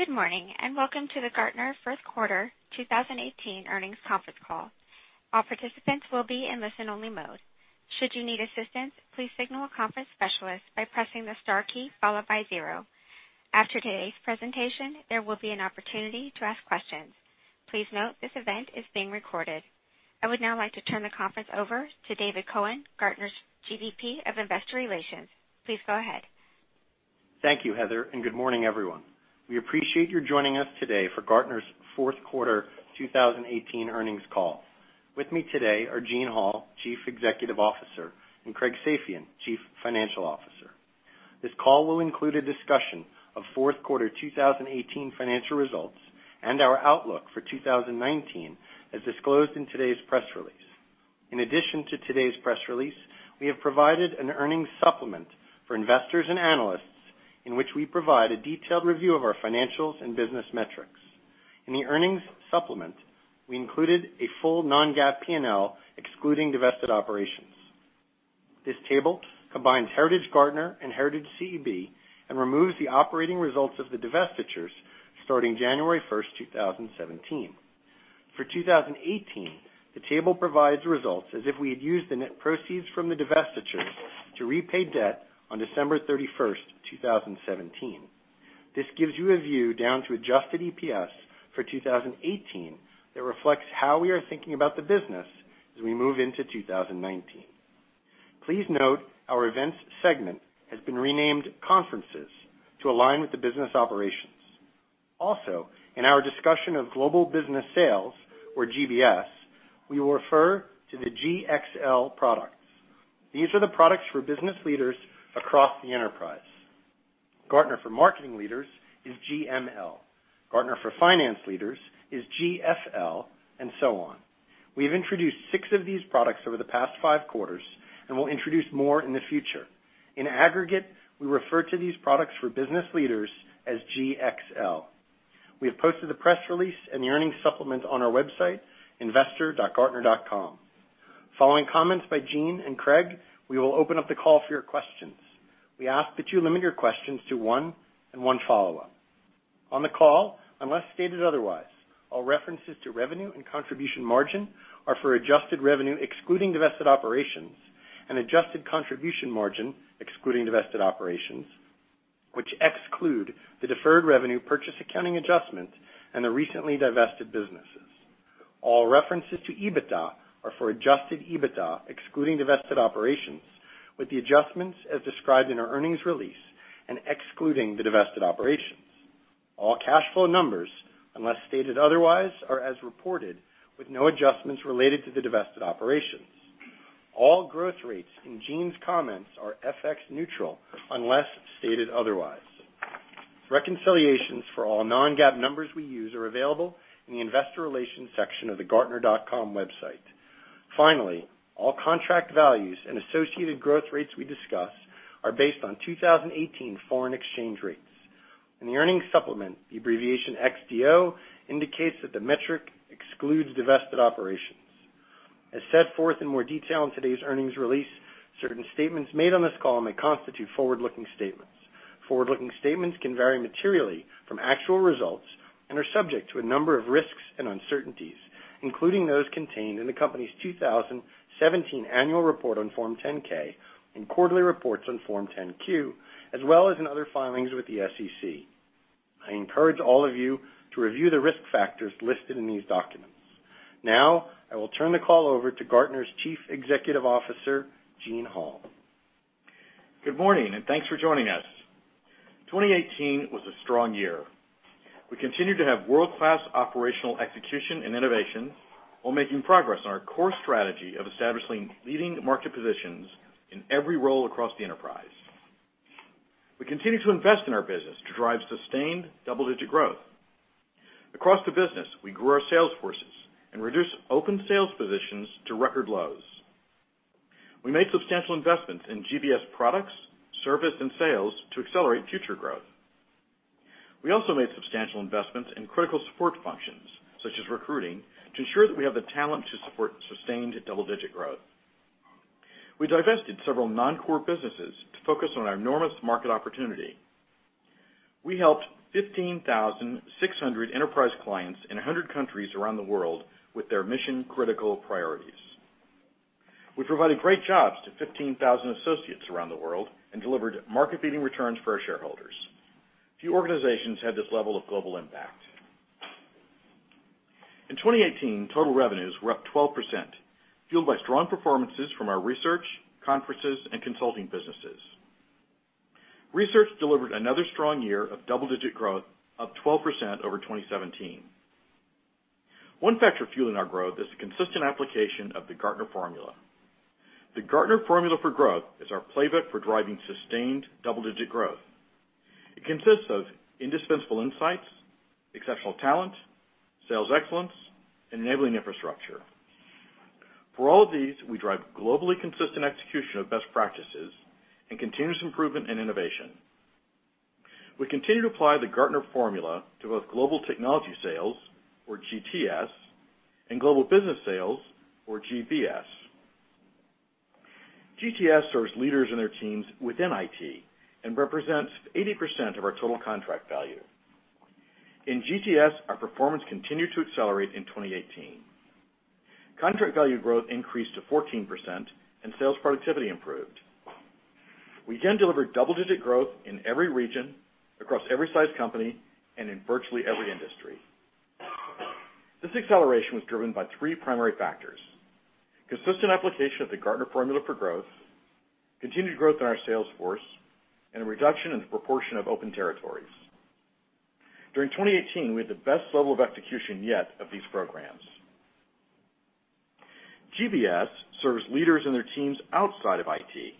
Good morning, and welcome to the Gartner fourth quarter 2018 earnings conference call. All participants will be in listen only mode. Should you need assistance, please signal a conference specialist by pressing the star key followed by zero. After today's presentation, there will be an opportunity to ask questions. Please note this event is being recorded. I would now like to turn the conference over to David Cohen, Gartner's GVP of Investor Relations. Please go ahead. Thank you, Heather, good morning, everyone. We appreciate you joining us today for Gartner's fourth quarter 2018 earnings call. With me today are Gene Hall, Chief Executive Officer, and Craig Safian, Chief Financial Officer. This call will include a discussion of fourth quarter 2018 financial results and our outlook for 2019, as disclosed in today's press release. In addition to today's press release, we have provided an earnings supplement for investors and analysts in which we provide a detailed review of our financials and business metrics. In the earnings supplement, we included a full non-GAAP P&L excluding divested operations. This table combines heritage Gartner and heritage CEB and removes the operating results of the divestitures starting January 1st, 2017. For 2018, the table provides results as if we had used the net proceeds from the divestitures to repay debt on December 31st, 2017. This gives you a view down to adjusted EPS for 2018 that reflects how we are thinking about the business as we move into 2019. Please note our events segment has been renamed Conferences to align with the business operations. Also, in our discussion of Global Business Sales, or GBS, we will refer to the GXL products. These are the products for business leaders across the enterprise. Gartner for Marketing Leaders is GML. Gartner for Finance Leaders is GFL, and so on. We have introduced six of these products over the past five quarters and will introduce more in the future. In aggregate, we refer to these products for business leaders as GXL. We have posted the press release and the earnings supplement on our website, investor.gartner.com. Following comments by Gene and Craig, we will open up the call for your questions. We ask that you limit your questions to one and one follow-up. On the call, unless stated otherwise, all references to revenue and contribution margin are for adjusted revenue excluding divested operations and adjusted contribution margin excluding divested operations, which exclude the deferred revenue purchase accounting adjustment and the recently divested businesses. All references to EBITDA are for adjusted EBITDA excluding divested operations with the adjustments as described in our earnings release and excluding the divested operations. All cash flow numbers, unless stated otherwise, are as reported with no adjustments related to the divested operations. All growth rates in Gene's comments are FX neutral unless stated otherwise. Reconciliations for all non-GAAP numbers we use are available in the investor relations section of the gartner.com website. Finally, all contract values and associated growth rates we discuss are based on 2018 foreign exchange rates. In the earnings supplement, the abbreviation XDO indicates that the metric excludes divested operations. As set forth in more detail in today's earnings release, certain statements made on this call may constitute forward-looking statements. Forward-looking statements can vary materially from actual results and are subject to a number of risks and uncertainties, including those contained in the company's 2017 annual report on Form 10-K and quarterly reports on Form 10-Q, as well as in other filings with the SEC. I encourage all of you to review the risk factors listed in these documents. Now, I will turn the call over to Gartner's Chief Executive Officer, Gene Hall. Good morning, and thanks for joining us. 2018 was a strong year. We continued to have world-class operational execution and innovation while making progress on our core strategy of establishing leading market positions in every role across the enterprise. We continue to invest in our business to drive sustained double-digit growth. Across the business, we grew our sales forces and reduced open sales positions to record lows. We made substantial investments in GBS products, service, and sales to accelerate future growth. We also made substantial investments in critical support functions, such as recruiting, to ensure that we have the talent to support sustained double-digit growth. We divested several non-core businesses to focus on our enormous market opportunity. We helped 15,600 enterprise clients in 100 countries around the world with their mission-critical priorities. We provided great jobs to 15,000 associates around the world and delivered market-leading returns for our shareholders. Few organizations had this level of global impact. In 2018, total revenues were up 12%, fueled by strong performances from our research, Conferences, and consulting businesses. Research delivered another strong year of double-digit growth, up 12% over 2017. One factor fueling our growth is the consistent application of the Gartner Formula. The Gartner Formula for growth is our playbook for driving sustained double-digit growth. It consists of indispensable insights, exceptional talent, sales excellence, and enabling infrastructure. For all of these, we drive globally consistent execution of best practices and continuous improvement and innovation. We continue to apply the Gartner Formula to both Global Technology Sales, or GTS, and Global Business Sales, or GBS. GTS serves leaders and their teams within IT, and represents 80% of our total contract value. In GTS, our performance continued to accelerate in 2018. Contract value growth increased to 14%, and sales productivity improved. We again delivered double-digit growth in every region, across every size company, and in virtually every industry. This acceleration was driven by three primary factors. Consistent application of the Gartner Formula for Growth, continued growth in our sales force, and a reduction in the proportion of open territories. During 2018, we had the best level of execution yet of these programs. GBS serves leaders and their teams outside of IT.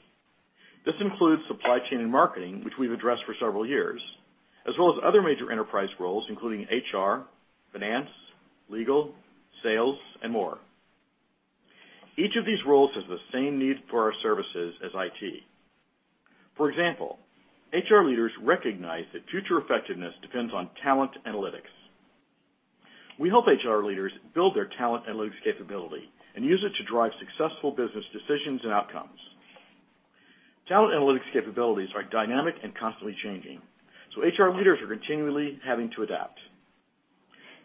This includes supply chain and marketing, which we've addressed for several years, as well as other major enterprise roles, including HR, finance, legal, sales, and more. Each of these roles has the same need for our services as IT. For example, HR leaders recognize that future effectiveness depends on talent analytics. We help HR leaders build their talent analytics capability and use it to drive successful business decisions and outcomes. Talent analytics capabilities are dynamic and constantly changing, HR leaders are continually having to adapt.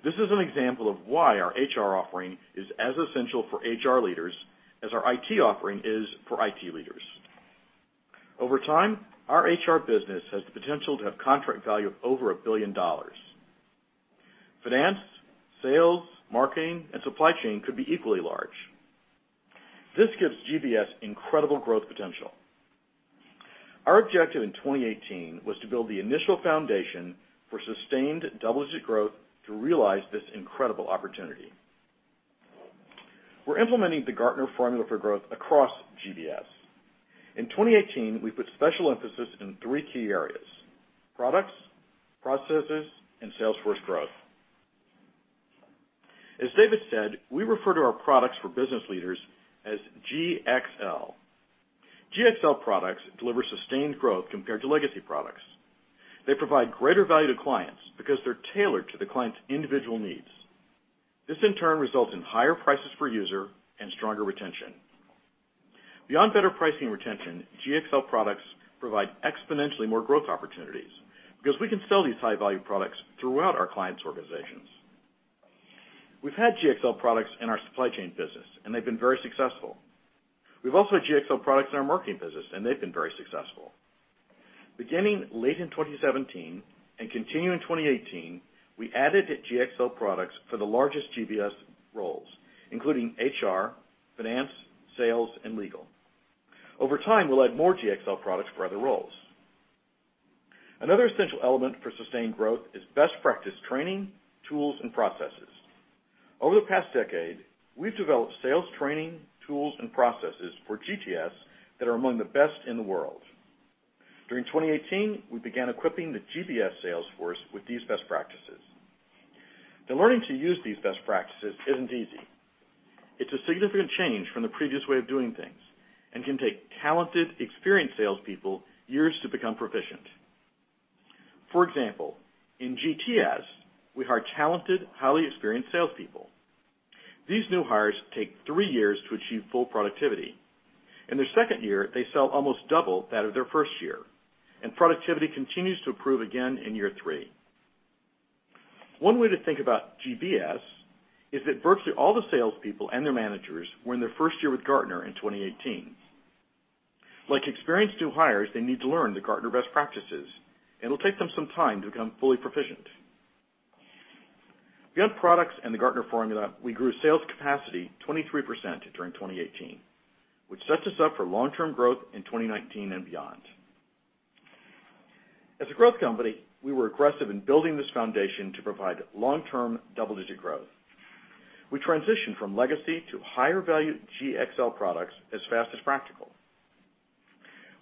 This is an example of why our HR offering is as essential for HR leaders as our IT offering is for IT leaders. Over time, our HR business has the potential to have contract value of over $1 billion. Finance, sales, marketing, and supply chain could be equally large. This gives GBS incredible growth potential. Our objective in 2018 was to build the initial foundation for sustained double-digit growth to realize this incredible opportunity. We're implementing the Gartner Formula across GBS. In 2018, we put special emphasis in three key areas, products, processes, and sales force growth. As David said, we refer to our products for business leaders as GXL. GXL products deliver sustained growth compared to legacy products. They provide greater value to clients because they're tailored to the client's individual needs. This, in turn, results in higher prices per user and stronger retention. Beyond better pricing retention, GXL products provide exponentially more growth opportunities because we can sell these high-value products throughout our clients' organizations. We've had GXL products in our supply chain business, and they've been very successful. We've also had GXL products in our marketing business, and they've been very successful. Beginning late in 2017 and continuing in 2018, we added GXL products for the largest GBS roles, including HR, finance, sales, and legal. Over time, we'll add more GXL products for other roles. Another essential element for sustained growth is best practice training, tools, and processes. Over the past decade, we've developed sales training, tools, and processes for GTS that are among the best in the world. During 2018, we began equipping the GBS sales force with these best practices. The learning to use these best practices isn't easy. It's a significant change from the previous way of doing things and can take talented, experienced salespeople years to become proficient. For example, in GTS, we hire talented, highly experienced salespeople. These new hires take three years to achieve full productivity. In their second year, they sell almost double that of their first year, and productivity continues to improve again in year three. One way to think about GBS is that virtually all the salespeople and their managers were in their first year with Gartner in 2018. Like experienced new hires, they need to learn the Gartner best practices. It'll take them some time to become fully proficient. Beyond products and the Gartner Formula, we grew sales capacity 23% during 2018, which sets us up for long-term growth in 2019 and beyond. As a growth company, we were aggressive in building this foundation to provide long-term double-digit growth. We transitioned from legacy to higher-value GXL products as fast as practical.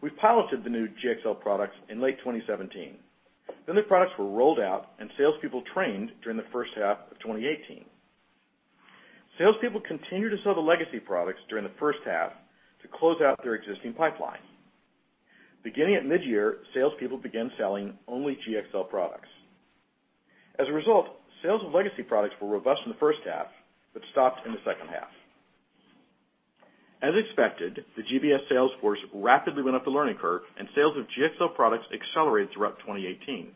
We piloted the new GXL products in late 2017. The products were rolled out, and salespeople trained during the first half of 2018. Salespeople continued to sell the legacy products during the first half to close out their existing pipeline. Beginning at mid-year, salespeople began selling only GXL products. As a result, sales of legacy products were robust in the first half but stopped in the second half. As expected, the GBS sales force rapidly went up the learning curve, and sales of GXL products accelerated throughout 2018.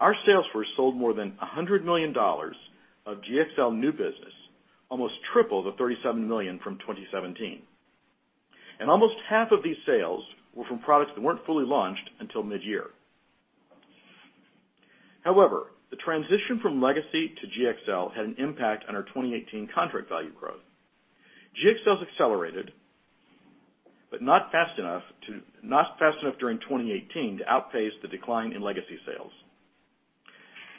Our sales force sold more than $100 million of GXL new business, almost triple the $37 million from 2017. Almost half of these sales were from products that weren't fully launched until mid-year. However, the transition from legacy to GXL had an impact on our 2018 contract value growth. GXL's accelerated, but not fast enough during 2018 to outpace the decline in legacy sales.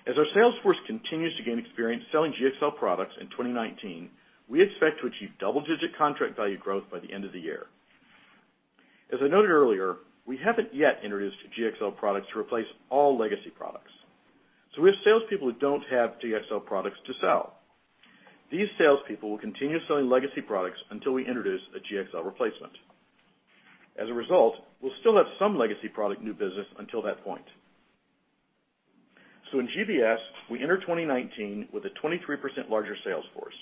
As our sales force continues to gain experience selling GXL products in 2019, we expect to achieve double-digit contract value growth by the end of the year. As I noted earlier, we haven't yet introduced GXL products to replace all legacy products, so we have salespeople who don't have GXL products to sell. These salespeople will continue selling legacy products until we introduce a GXL replacement. As a result, we'll still have some legacy product new business until that point. In GBS, we enter 2019 with a 23% larger sales force.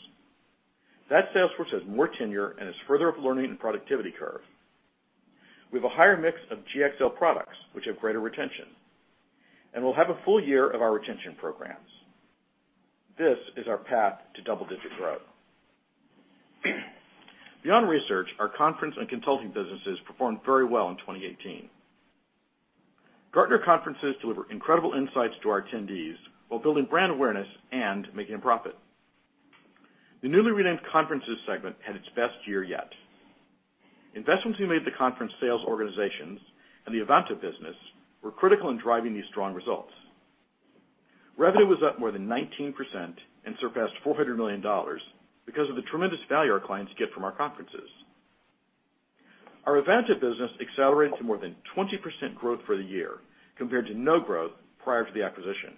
That sales force has more tenure and is further up the learning and productivity curve. We have a higher mix of GXL products, which have greater retention, and we'll have a full year of our retention programs. This is our path to double-digit growth. Beyond research, our conference and consulting businesses performed very well in 2018. Gartner Conferences deliver incredible insights to our attendees while building brand awareness and making a profit. The newly renamed Conferences segment had its best year yet. Investments we made to the conference sales organizations and the Evanta business were critical in driving these strong results. Revenue was up more than 19% and surpassed $400 million because of the tremendous value our clients get from our conferences. Our Evanta business accelerated to more than 20% growth for the year, compared to no growth prior to the acquisition.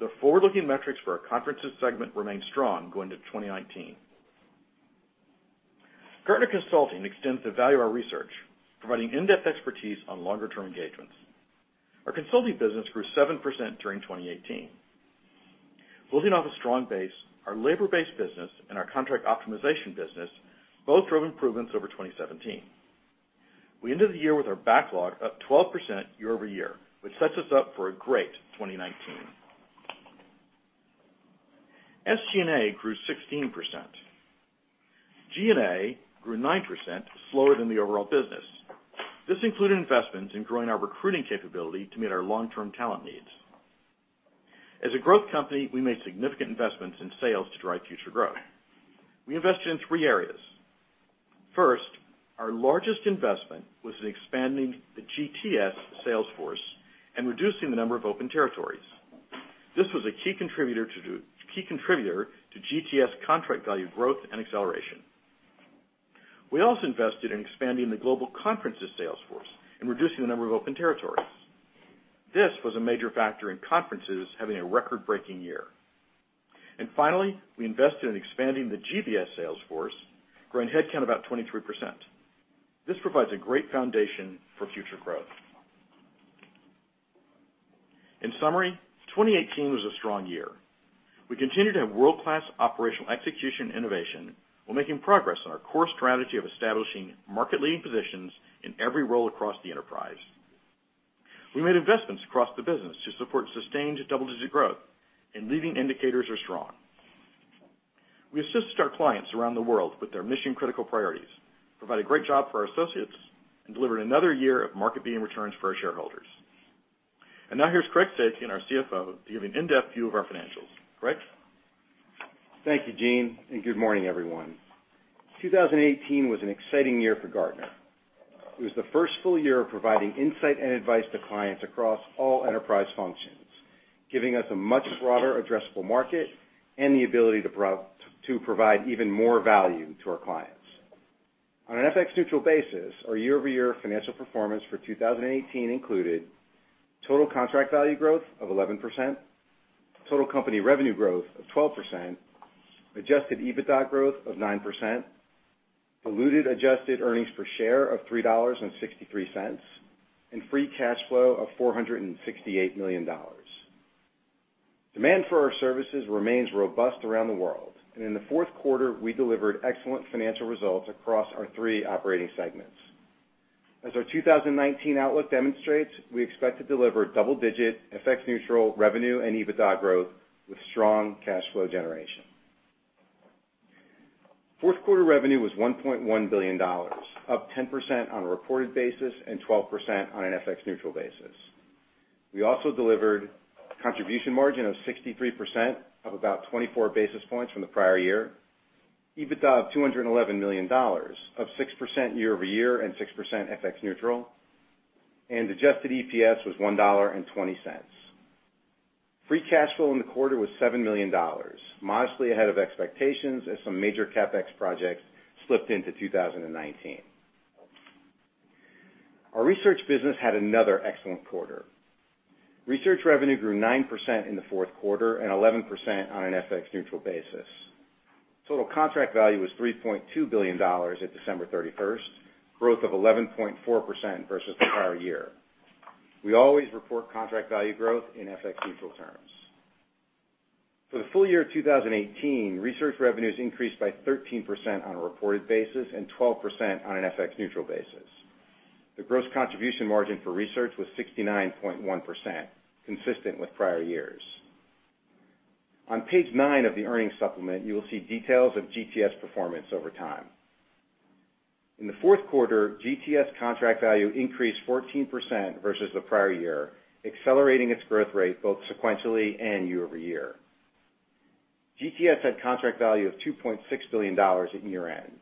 The forward-looking metrics for our Conferences segment remain strong going into 2019. Gartner consulting extends the value of our research, providing in-depth expertise on longer-term engagements. Our consulting business grew 7% during 2018. Building off a strong base, our labor-based business and our contract optimization business both drove improvements over 2017. We ended the year with our backlog up 12% year-over-year, which sets us up for a great 2019. SG&A grew 16%. G&A grew 9%, slower than the overall business. This included investments in growing our recruiting capability to meet our long-term talent needs. As a growth company, we made significant investments in sales to drive future growth. We invested in three areas. First, our largest investment was in expanding the GTS sales force and reducing the number of open territories. This was a key contributor to GTS contract value growth and acceleration. We also invested in expanding the global Conferences sales force and reducing the number of open territories. This was a major factor in Conferences having a record-breaking year. Finally, we invested in expanding the GBS sales force, growing headcount about 23%. This provides a great foundation for future growth. In summary, 2018 was a strong year. We continue to have world-class operational execution innovation, while making progress on our core strategy of establishing market-leading positions in every role across the enterprise. We made investments across the business to support sustained double-digit growth, and leading indicators are strong. We assisted our clients around the world with their mission-critical priorities, provided great job for our associates, and delivered another year of market-beating returns for our shareholders. Now here's Craig Safian, our CFO, to give you an in-depth view of our financials. Craig? Thank you, Gene, and good morning, everyone. 2018 was an exciting year for Gartner. It was the first full year of providing insight and advice to clients across all enterprise functions, giving us a much broader addressable market and the ability to provide even more value to our clients. On an FX neutral basis, our year-over-year financial performance for 2018 included total contract value growth of 11%, total company revenue growth of 12%, adjusted EBITDA growth of 9%, diluted adjusted earnings per share of $3.63, and free cash flow of $468 million. Demand for our services remains robust around the world. In the fourth quarter, we delivered excellent financial results across our three operating segments. As our 2019 outlook demonstrates, we expect to deliver double-digit FX neutral revenue and EBITDA growth with strong cash flow generation. Fourth quarter revenue was $1.1 billion, up 10% on a reported basis and 12% on an FX neutral basis. We also delivered contribution margin of 63%, up about 24 basis points from the prior year. EBITDA of $211 million, up 6% year-over-year and 6% FX neutral. Adjusted EPS was $1.20. Free cash flow in the quarter was $7 million, modestly ahead of expectations as some major CapEx projects slipped into 2019. Our research business had another excellent quarter. Research revenue grew 9% in the fourth quarter and 11% on an FX neutral basis. Total contract value was $3.2 billion at December 31st, growth of 11.4% versus the prior year. We always report contract value growth in FX neutral terms. For the full year 2018, research revenues increased by 13% on a reported basis and 12% on an FX neutral basis. The gross contribution margin for research was 69.1%, consistent with prior years. On page nine of the earnings supplement, you will see details of GTS performance over time. In the fourth quarter, GTS contract value increased 14% versus the prior year, accelerating its growth rate both sequentially and year-over-year. GTS had contract value of $2.6 billion at year-end.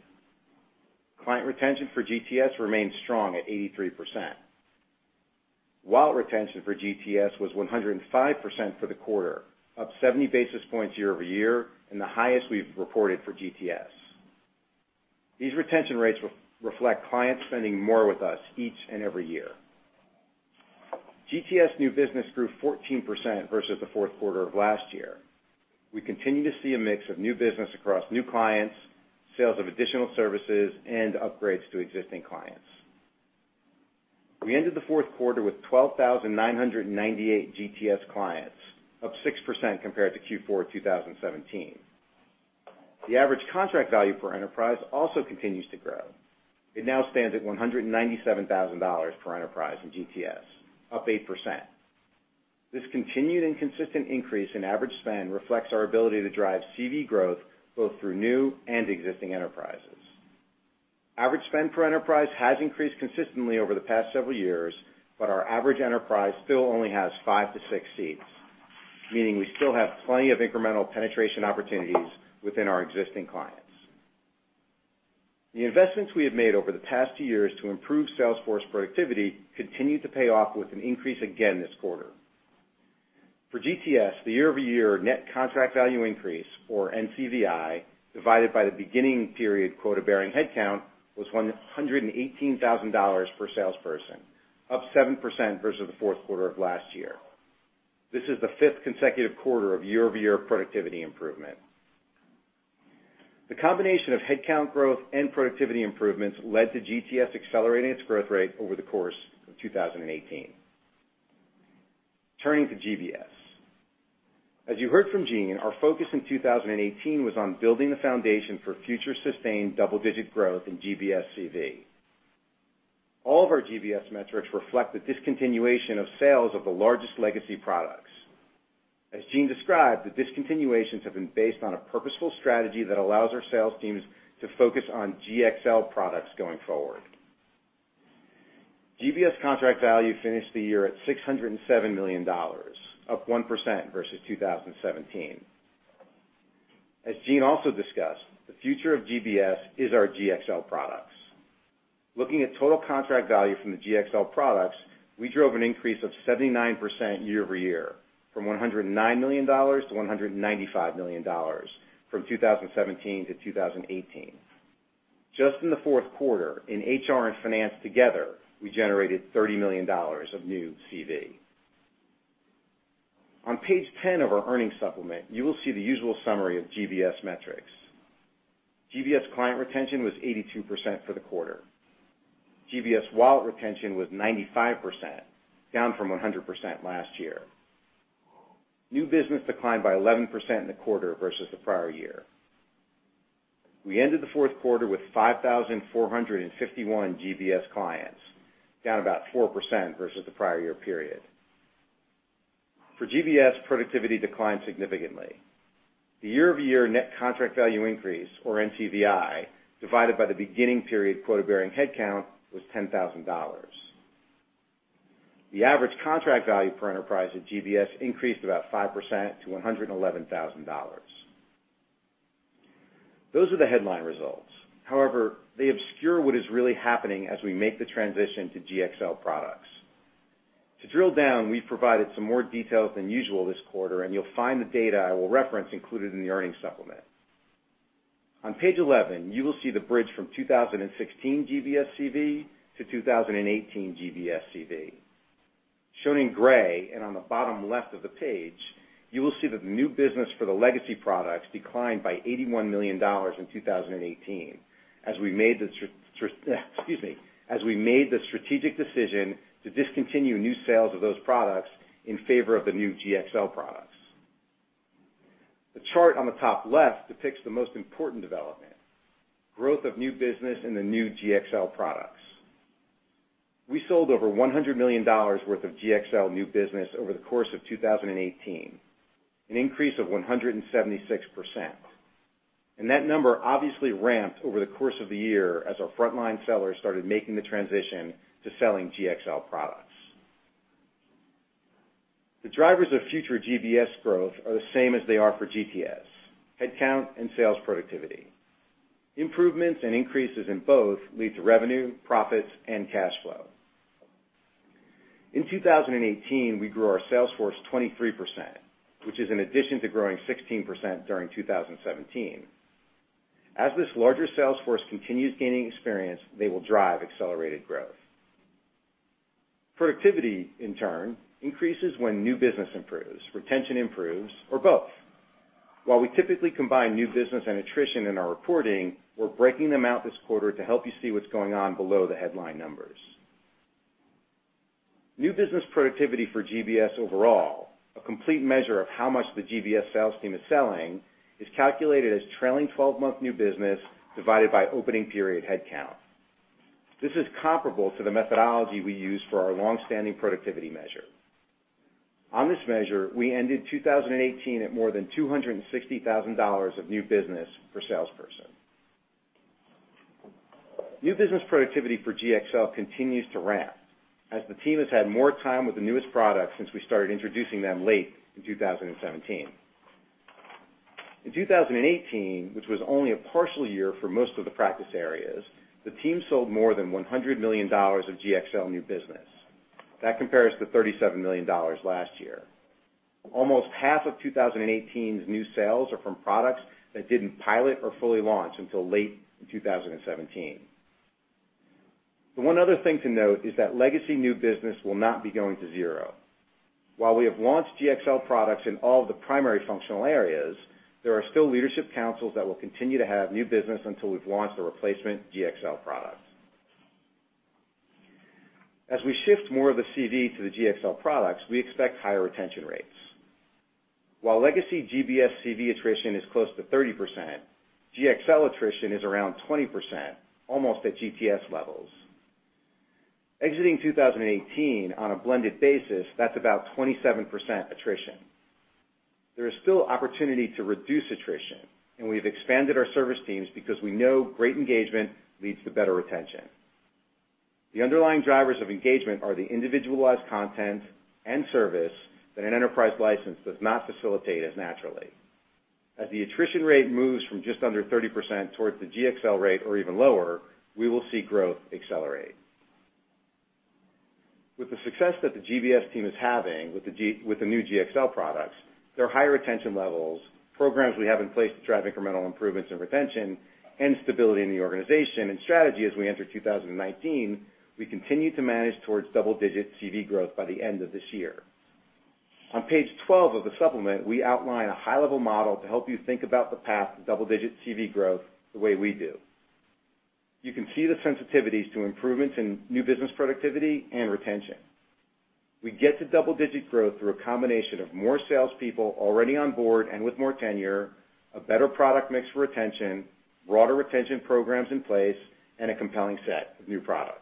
Client retention for GTS remains strong at 83%, while retention for GTS was 105% for the quarter, up 70 basis points year-over-year, and the highest we've reported for GTS. These retention rates reflect clients spending more with us each and every year. GTS new business grew 14% versus the fourth quarter of last year. We continue to see a mix of new business across new clients, sales of additional services, and upgrades to existing clients. We ended the fourth quarter with 12,998 GTS clients, up 6% compared to Q4 2017. The average contract value per enterprise also continues to grow. It now stands at $197,000 per enterprise in GTS, up 8%. This continued and consistent increase in average spend reflects our ability to drive CV growth both through new and existing enterprises. Average spend per enterprise has increased consistently over the past several years, but our average enterprise still only has five to six seats, meaning we still have plenty of incremental penetration opportunities within our existing clients. The investments we have made over the past two years to improve sales force productivity continued to pay off with an increase again this quarter. For GTS, the year-over-year net contract value increase, or NCVI, divided by the beginning period quota-bearing headcount was $118,000 per salesperson, up 7% versus the fourth quarter of last year. This is the fifth consecutive quarter of year-over-year productivity improvement. The combination of headcount growth and productivity improvements led to GTS accelerating its growth rate over the course of 2018. Turning to GBS. As you heard from Gene, our focus in 2018 was on building the foundation for future sustained double-digit growth in GBS CV. All of our GBS metrics reflect the discontinuation of sales of the largest legacy products. As Gene described, the discontinuations have been based on a purposeful strategy that allows our sales teams to focus on GXL products going forward. GBS contract value finished the year at $607 million, up 1% versus 2017. As Gene also discussed, the future of GBS is our GXL products. Looking at total contract value from the GXL products, we drove an increase of 79% year-over-year from $109 million to $195 million from 2017 to 2018. Just in the fourth quarter, in HR and finance together, we generated $30 million of new CV. On page 10 of our earnings supplement, you will see the usual summary of GBS metrics. GBS client retention was 82% for the quarter. GBS wallet retention was 95%, down from 100% last year. New business declined by 11% in the quarter versus the prior year. We ended the fourth quarter with 5,451 GBS clients, down about 4% versus the prior year period. For GBS, productivity declined significantly. The year-over-year net contract value increase, or NCVI, divided by the beginning period quota-bearing headcount was $10,000. The average contract value per enterprise at GBS increased about 5% to $111,000. Those are the headline results. However, they obscure what is really happening as we make the transition to GXL products. To drill down, we've provided some more details than usual this quarter. You'll find the data I will reference included in the earnings supplement. On page 11, you will see the bridge from 2016 GBS CV to 2018 GBS CV. Shown in gray and on the bottom left of the page, you will see that the new business for the legacy products declined by $81 million in 2018 as we made the strategic decision to discontinue new sales of those products in favor of the new GXL products. The chart on the top left depicts the most important development, growth of new business in the new GXL products. We sold over $100 million worth of GXL new business over the course of 2018, an increase of 176%. That number obviously ramped over the course of the year as our frontline sellers started making the transition to selling GXL products. The drivers of future GBS growth are the same as they are for GTS: headcount and sales productivity. Improvements and increases in both lead to revenue, profits, and cash flow. In 2018, we grew our sales force 23%, which is in addition to growing 16% during 2017. As this larger sales force continues gaining experience, they will drive accelerated growth. Productivity, in turn, increases when new business improves, retention improves, or both. While we typically combine new business and attrition in our reporting, we're breaking them out this quarter to help you see what's going on below the headline numbers. New business productivity for GBS overall, a complete measure of how much the GBS sales team is selling, is calculated as trailing 12-month new business divided by opening period headcount. This is comparable to the methodology we use for our longstanding productivity measure. On this measure, we ended 2018 at more than $260,000 of new business per salesperson. New business productivity for GXL continues to ramp as the team has had more time with the newest products since we started introducing them late in 2017. In 2018, which was only a partial year for most of the practice areas, the team sold more than $100 million of GXL new business. That compares to $37 million last year. Almost half of 2018's new sales are from products that didn't pilot or fully launch until late in 2017. The one other thing to note is that legacy new business will not be going to zero. While we have launched GXL products in all of the primary functional areas, there are still leadership councils that will continue to have new business until we've launched a replacement GXL product. As we shift more of the CV to the GXL products, we expect higher retention rates. While legacy GBS CV attrition is close to 30%, GXL attrition is around 20%, almost at GTS levels. Exiting 2018 on a blended basis, that's about 27% attrition. There is still opportunity to reduce attrition, and we've expanded our service teams because we know great engagement leads to better retention. The underlying drivers of engagement are the individualized content and service that an enterprise license does not facilitate as naturally. As the attrition rate moves from just under 30% towards the GXL rate or even lower, we will see growth accelerate. With the success that the GBS team is having with the new GXL products, there are higher retention levels, programs we have in place to drive incremental improvements in retention, and stability in the organization and strategy as we enter 2019, we continue to manage towards double-digit CV growth by the end of this year. On page 12 of the supplement, we outline a high-level model to help you think about the path to double-digit CV growth the way we do. You can see the sensitivities to improvements in new business productivity and retention. We get to double-digit growth through a combination of more salespeople already on board and with more tenure, a better product mix for retention, broader retention programs in place, and a compelling set of new products.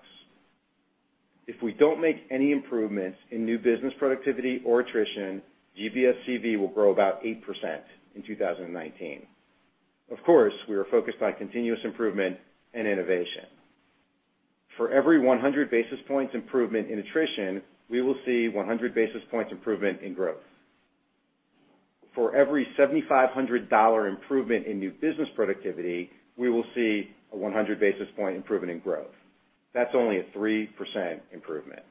If we don't make any improvements in new business productivity or attrition, GBS CV will grow about 8% in 2019. Of course, we are focused on continuous improvement and innovation. For every 100 basis points improvement in attrition, we will see 100 basis points improvement in growth. For every $7,500 improvement in new business productivity, we will see a 100 basis point improvement in growth. That's only a 3% improvement.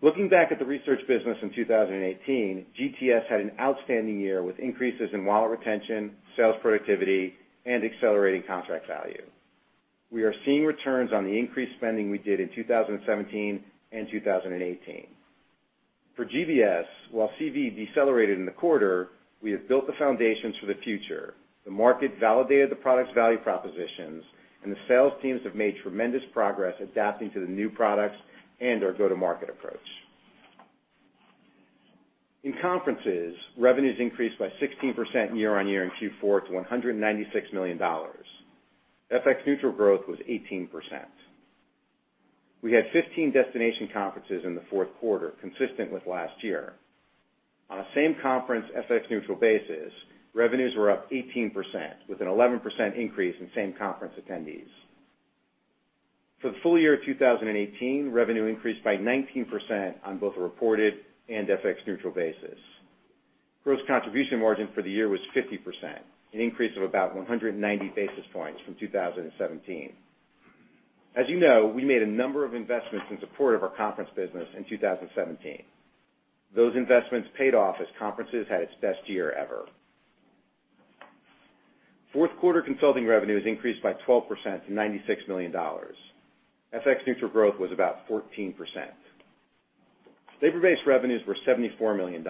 Looking back at the research business in 2018, GTS had an outstanding year with increases in wallet retention, sales productivity, and accelerating contract value. We are seeing returns on the increased spending we did in 2017 and 2018. For GBS, while CV decelerated in the quarter, we have built the foundations for the future. The market validated the product's value propositions, and the sales teams have made tremendous progress adapting to the new products and our go-to-market approach. In Conferences, revenues increased by 16% year-over-year in Q4 to $196 million. FX neutral growth was 18%. We had 15 destination Conferences in the fourth quarter, consistent with last year. On a same Conference FX neutral basis, revenues were up 18%, with an 11% increase in same Conference attendees. For the full year of 2018, revenue increased by 19% on both a reported and FX neutral basis. Gross contribution margin for the year was 50%, an increase of about 190 basis points from 2017. As you know, we made a number of investments in support of our Conference business in 2017. Those investments paid off as Conferences had its best year ever. Fourth quarter consulting revenues increased by 12% to $96 million. FX neutral growth was about 14%. Labor-based revenues were $74 million.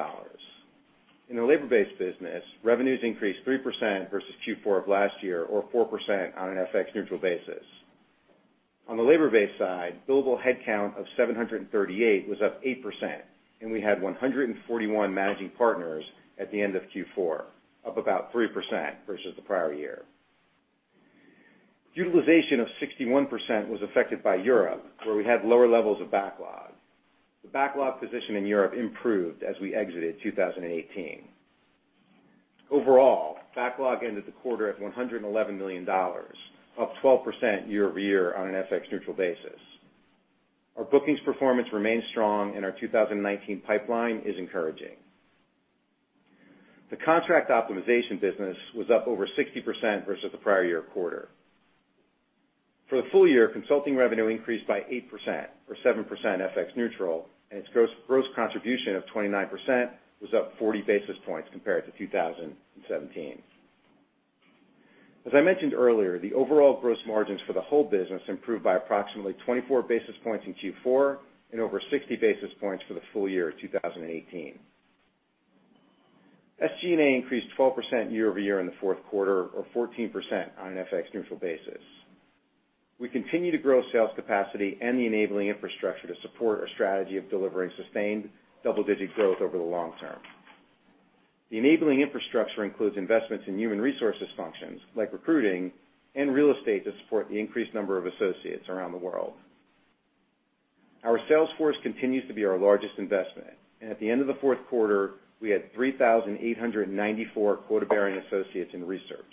In the labor-based business, revenues increased 3% versus Q4 of last year or 4% on an FX neutral basis. On the labor-based side, billable headcount of 738 was up 8%, and we had 141 managing partners at the end of Q4, up about 3% versus the prior year. Utilization of 61% was affected by Europe, where we had lower levels of backlog. The backlog position in Europe improved as we exited 2018. Overall, backlog ended the quarter at $111 million, up 12% year-over-year on an FX neutral basis. Our bookings performance remains strong, and our 2019 pipeline is encouraging. The contract optimization business was up over 60% versus the prior year quarter. For the full year, consulting revenue increased by 8%, or 7% FX neutral, and its gross contribution of 29% was up 40 basis points compared to 2017. As I mentioned earlier, the overall gross margins for the whole business improved by approximately 24 basis points in Q4 and over 60 basis points for the full year of 2018. SG&A increased 12% year-over-year in the fourth quarter, or 14% on an FX neutral basis. We continue to grow sales capacity and the enabling infrastructure to support our strategy of delivering sustained double-digit growth over the long term. The enabling infrastructure includes investments in human resources functions, like recruiting and real estate to support the increased number of associates around the world. Our sales force continues to be our largest investment, and at the end of the fourth quarter, we had 3,894 quota-bearing associates in research.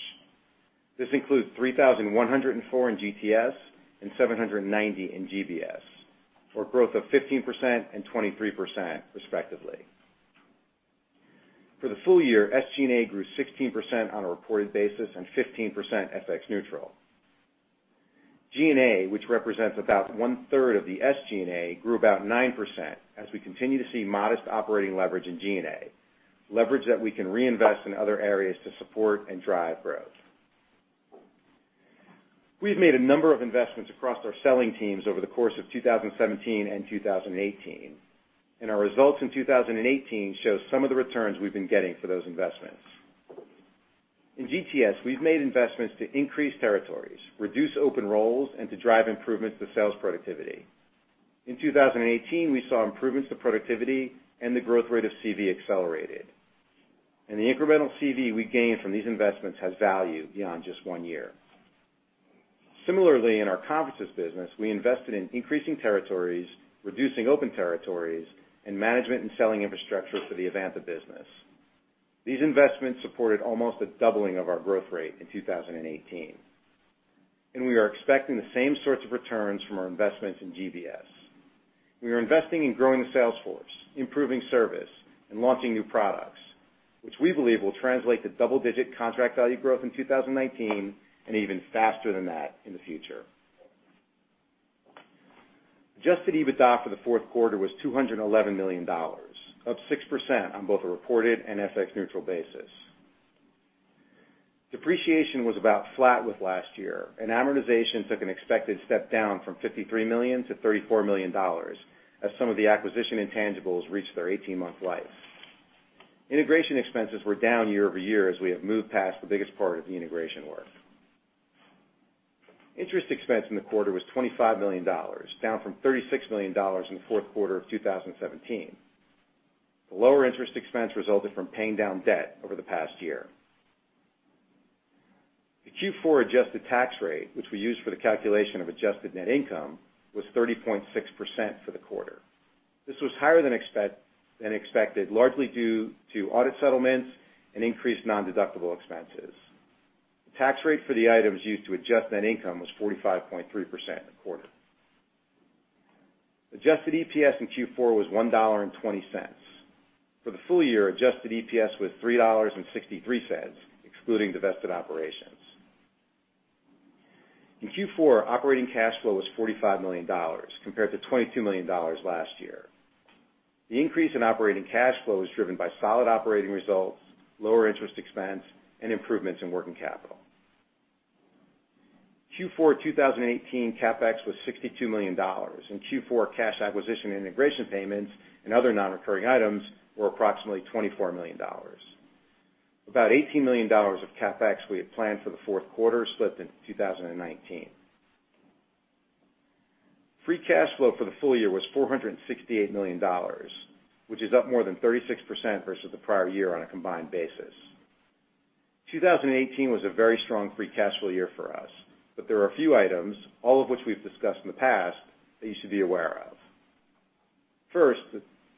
This includes 3,104 in GTS and 790 in GBS, for growth of 15% and 23% respectively. For the full year, SG&A grew 16% on a reported basis and 15% FX neutral. G&A, which represents about one-third of the SG&A, grew about 9% as we continue to see modest operating leverage in G&A. Leverage that we can reinvest in other areas to support and drive growth. We've made a number of investments across our selling teams over the course of 2017 and 2018, and our results in 2018 show some of the returns we've been getting for those investments. In GTS, we've made investments to increase territories, reduce open roles, and to drive improvements to sales productivity. In 2018, we saw improvements to productivity and the growth rate of CV accelerated. The incremental CV we gained from these investments has value beyond just one year. Similarly, in our Conferences business, we invested in increasing territories, reducing open territories, and management and selling infrastructure for the Evanta business. These investments supported almost a doubling of our growth rate in 2018, and we are expecting the same sorts of returns from our investments in GBS. We are investing in growing the sales force, improving service and launching new products, which we believe will translate to double-digit contract value growth in 2019 and even faster than that in the future. Adjusted EBITDA for the fourth quarter was $211 million, up 6% on both a reported and FX neutral basis. Depreciation was about flat with last year, and amortization took an expected step down from $53 million-$34 million, as some of the acquisition intangibles reached their 18-month life. Integration expenses were down year-over-year as we have moved past the biggest part of the integration work. Interest expense in the quarter was $25 million, down from $36 million in the fourth quarter of 2017. The lower interest expense resulted from paying down debt over the past year. The Q4 adjusted tax rate, which we use for the calculation of adjusted net income, was 30.6% for the quarter. This was higher than expected, largely due to audit settlements and increased non-deductible expenses. The tax rate for the items used to adjust net income was 45.3% in the quarter. Adjusted EPS in Q4 was $1.20. For the full year, adjusted EPS was $3.63, excluding divested operations. In Q4, operating cash flow was $45 million compared to $22 million last year. The increase in operating cash flow is driven by solid operating results, lower interest expense, and improvements in working capital. Q4 2018 CapEx was $62 million, and Q4 cash acquisition integration payments and other non-recurring items were approximately $24 million. About $18 million of CapEx we had planned for the fourth quarter slipped into 2019. Free cash flow for the full year was $468 million, which is up more than 36% versus the prior year on a combined basis. 2018 was a very strong free cash flow year for us. There are a few items, all of which we've discussed in the past, that you should be aware of. First,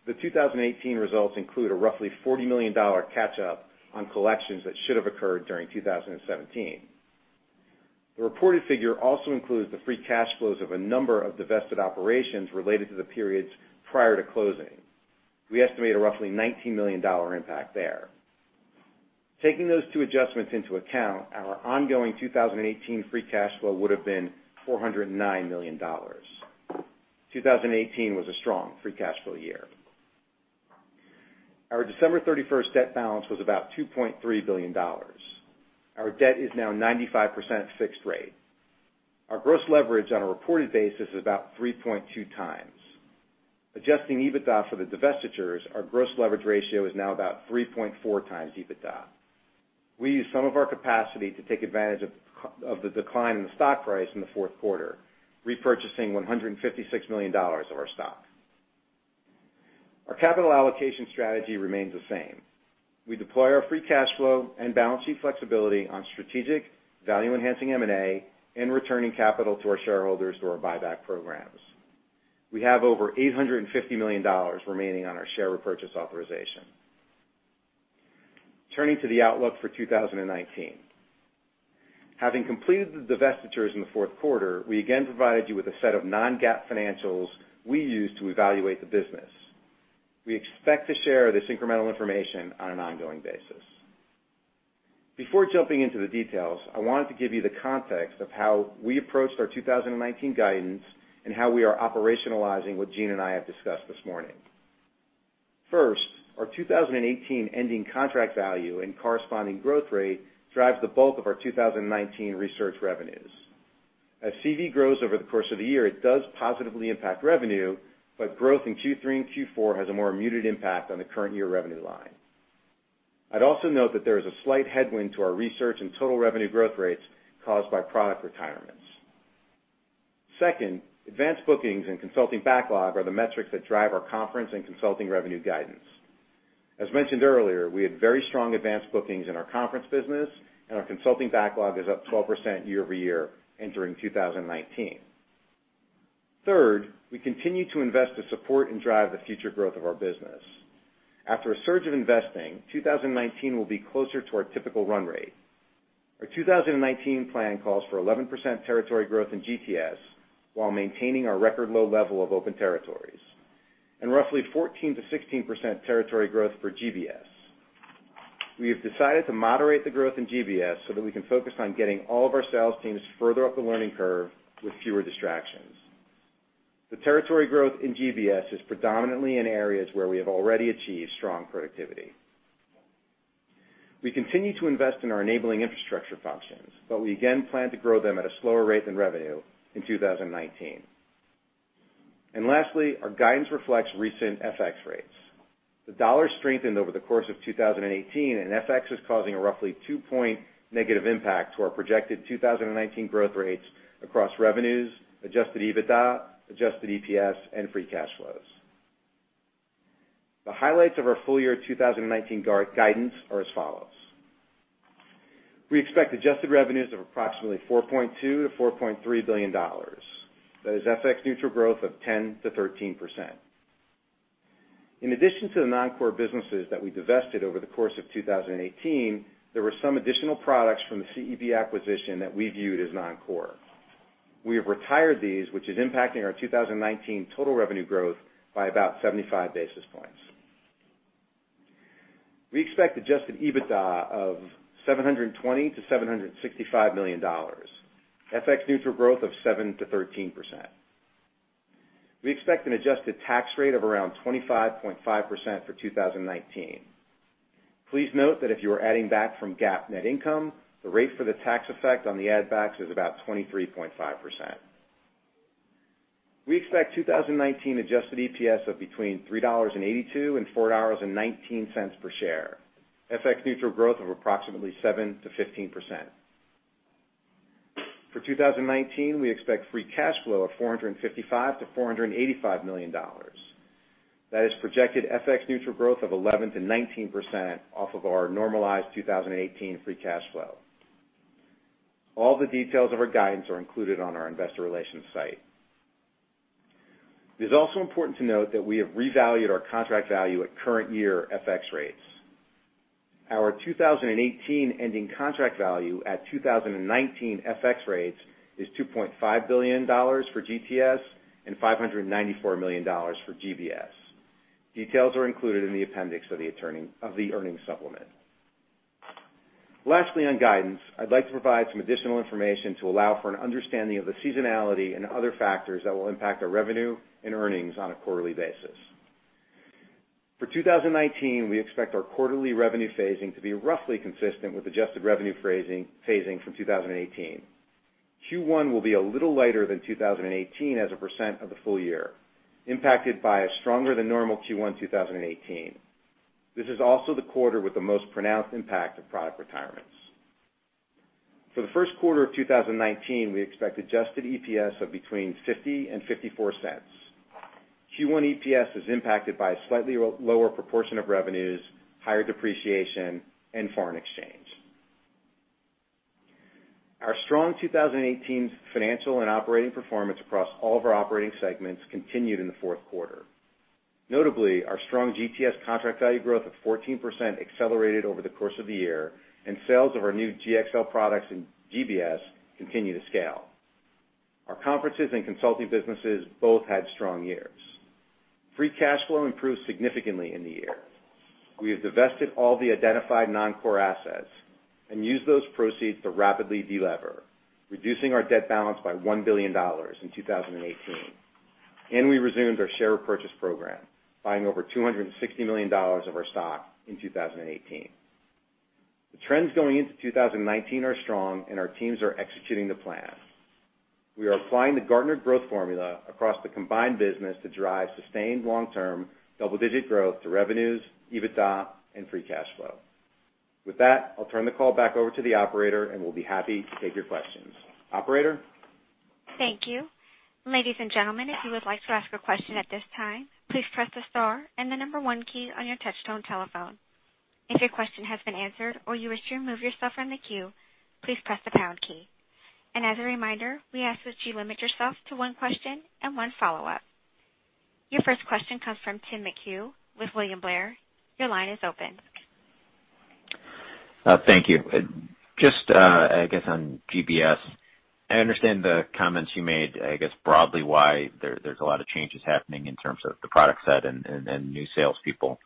the 2018 results include a roughly $40 million catch-up on collections that should have occurred during 2017. The reported figure also includes the free cash flows of a number of divested operations related to the periods prior to closing. We estimate a roughly $19 million impact there. Taking those two adjustments into account, our ongoing 2018 free cash flow would've been $409 million. 2018 was a strong free cash flow year. Our December 31st debt balance was about $2.3 billion. Our debt is now 95% fixed rate. Our gross leverage on a reported basis is about 3.2 times. Adjusting EBITDA for the divestitures, our gross leverage ratio is now about 3.4x EBITDA. We used some of our capacity to take advantage of the decline in the stock price in the fourth quarter, repurchasing $156 million of our stock. Our capital allocation strategy remains the same. We deploy our free cash flow and balance sheet flexibility on strategic value-enhancing M&A and returning capital to our shareholders through our buyback programs. We have over $850 million remaining on our share repurchase authorization. Turning to the outlook for 2019. Having completed the divestitures in the fourth quarter, we again provided you with a set of non-GAAP financials we use to evaluate the business. We expect to share this incremental information on an ongoing basis. Before jumping into the details, I wanted to give you the context of how we approached our 2019 guidance and how we are operationalizing what Gene and I have discussed this morning. First, our 2018 ending contract value and corresponding growth rate drives the bulk of our 2019 research revenues. As CV grows over the course of the year, it does positively impact revenue, but growth in Q3 and Q4 has a more muted impact on the current year revenue line. I'd also note that there is a slight headwind to our research and total revenue growth rates caused by product retirements. Second, advanced bookings and consulting backlog are the metrics that drive our conference and consulting revenue guidance. As mentioned earlier, we had very strong advanced bookings in our conference business and our consulting backlog is up 12% year-over-year entering 2019. Third, we continue to invest to support and drive the future growth of our business. After a surge of investing, 2019 will be closer to our typical run rate. Our 2019 plan calls for 11% territory growth in GTS while maintaining our record low level of open territories, and roughly 14%-16% territory growth for GBS. We have decided to moderate the growth in GBS so that we can focus on getting all of our sales teams further up the learning curve with fewer distractions. The territory growth in GBS is predominantly in areas where we have already achieved strong productivity. We continue to invest in our enabling infrastructure functions, but we again plan to grow them at a slower rate than revenue in 2019. Lastly, our guidance reflects recent FX rates. The dollar strengthened over the course of 2018, and FX is causing a roughly two-point negative impact to our projected 2019 growth rates across revenues, adjusted EBITDA, adjusted EPS, and free cash flows. The highlights of our full-year 2019 guidance are as follows. We expect adjusted revenues of approximately $4.2 billion-$4.3 billion. That is FX-neutral growth of 10%-13%. In addition to the non-core businesses that we divested over the course of 2018, there were some additional products from the CEB acquisition that we viewed as non-core. We have retired these, which is impacting our 2019 total revenue growth by about 75 basis points. We expect adjusted EBITDA of $720 million-$765 million, FX-neutral growth of 7%-13%. We expect an adjusted tax rate of around 25.5% for 2019. Please note that if you are adding back from GAAP net income, the rate for the tax effect on the add backs is about 23.5%. We expect 2019 adjusted EPS of between $3.82 and $4.19 per share, FX-neutral growth of approximately 7%-15%. For 2019, we expect free cash flow of $455 million-$485 million. That is projected FX-neutral growth of 11%-19% off of our normalized 2018 free cash flow. All the details of our guidance are included on our investor relations site. It is also important to note that we have revalued our contract value at current year FX rates. Our 2018 ending contract value at 2019 FX rates is $2.5 billion for GTS and $594 million for GBS. Details are included in the appendix of the earnings supplement. On guidance, I'd like to provide some additional information to allow for an understanding of the seasonality and other factors that will impact our revenue and earnings on a quarterly basis. For 2019, we expect our quarterly revenue phasing to be roughly consistent with adjusted revenue phasing from 2018. Q1 will be a little lighter than 2018 as a percent of the full year, impacted by a stronger than normal Q1 2018. This is also the quarter with the most pronounced impact of product retirements. For the first quarter of 2019, we expect adjusted EPS of between $0.50 and $0.54. Q1 EPS is impacted by a slightly lower proportion of revenues, higher depreciation, and foreign exchange. Our strong 2018 financial and operating performance across all of our operating segments continued in the fourth quarter. Notably, our strong GTS contract value growth of 14% accelerated over the course of the year, and sales of our new GXL products in GBS continue to scale. Our Conferences and consulting businesses both had strong years. Free cash flow improved significantly in the year. We have divested all the identified non-core assets and used those proceeds to rapidly de-lever, reducing our debt balance by $1 billion in 2018. We resumed our share repurchase program, buying over $260 million of our stock in 2018. The trends going into 2019 are strong, and our teams are executing the plan. We are applying the Gartner Growth Formula across the combined business to drive sustained long-term double-digit growth to revenues, EBITDA, and free cash flow. With that, I'll turn the call back over to the operator, and we'll be happy to take your questions. Operator? Thank you. Ladies and gentlemen, if you would like to ask a question at this time, please press the star 1 key on your touch-tone telephone. If your question has been answered or you wish to remove yourself from the queue, please press the pound key. As a reminder, we ask that you limit yourself to one question and one follow-up. Your first question comes from Tim McHugh with William Blair. Your line is open. Thank you. Just, I guess, on GBS. I understand the comments you made, I guess, broadly why there's a lot of changes happening in terms of the product set and new salespeople.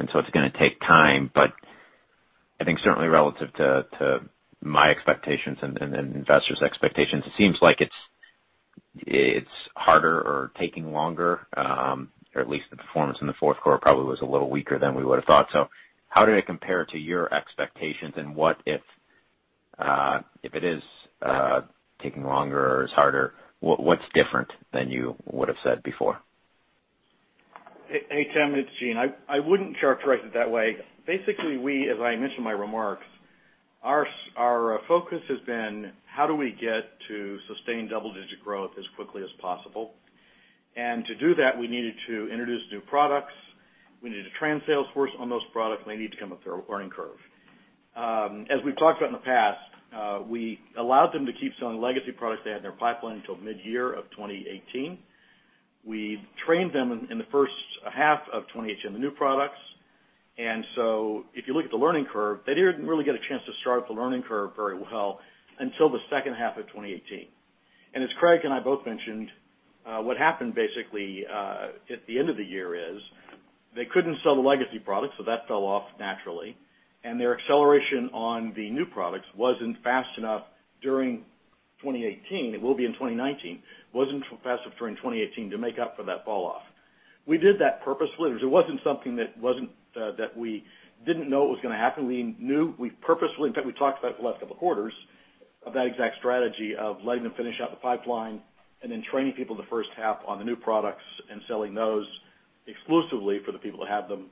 It's going to take time. I think certainly relative to my expectations and investors' expectations, it seems like it's harder or taking longer, or at least the performance in the fourth quarter probably was a little weaker than we would've thought. How did it compare to your expectations, and if it is taking longer or is harder, what's different than you would've said before? Hey, Tim, it's Gene. I wouldn't characterize it that way. Basically, as I mentioned in my remarks, our focus has been how do we get to sustained double-digit growth as quickly as possible. To do that, we needed to introduce new products, we needed to train salesforce on those products, and they need to come up their learning curve. As we've talked about in the past, we allowed them to keep selling legacy products they had in their pipeline until mid-year of 2018. We trained them in the first half of 2018 on the new products. If you look at the learning curve, they didn't really get a chance to start the learning curve very well until the second half of 2018. As Craig and I both mentioned, what happened basically, at the end of the year is They couldn't sell the legacy product, that fell off naturally. Their acceleration on the new products wasn't fast enough during 2018. It will be in 2019. Wasn't fast enough during 2018 to make up for that fall off. We did that purposefully. It wasn't something that we didn't know it was going to happen. We knew. In fact, we talked about it the last couple of quarters, of that exact strategy of letting them finish out the pipeline and then training people the first half on the new products and selling those exclusively for the people that have them,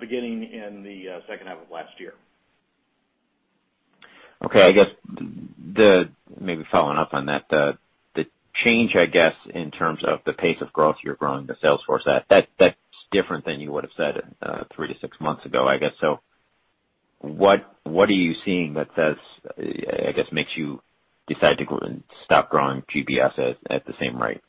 beginning in the second half of last year. Okay. I guess, maybe following up on that, the change, I guess, in terms of the pace of growth, you're growing the sales force at, that's different than you would've said three to six months ago, I guess. What are you seeing that, I guess, makes you decide to stop growing GBS at the same rate?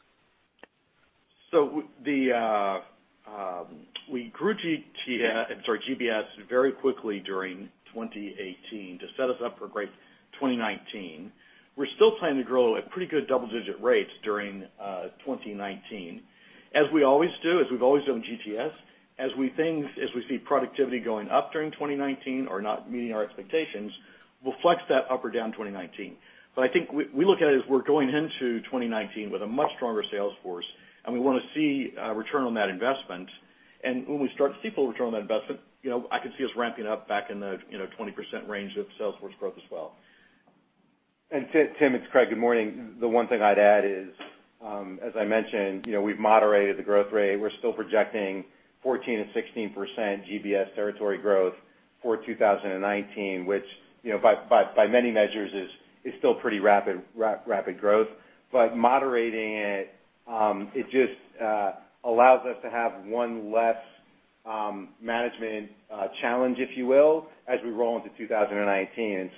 We grew GTS, sorry, GBS very quickly during 2018 to set us up for a great 2019. We're still planning to grow at pretty good double-digit rates during 2019. As we always do, as we've always done with GTS, as we see productivity going up during 2019 or not meeting our expectations, we'll flex that up or down in 2019. I think we look at it as we're going into 2019 with a much stronger sales force, and we want to see a return on that investment. When we start to see full return on that investment, I can see us ramping up back in the 20% range of sales force growth as well. Tim, it's Craig. Good morning. The one thing I'd add is, as I mentioned, we've moderated the growth rate. We're still projecting 14%-16% GBS territory growth for 2019, which by many measures is still pretty rapid growth. Moderating it just allows us to have one less management challenge, if you will, as we roll into 2019.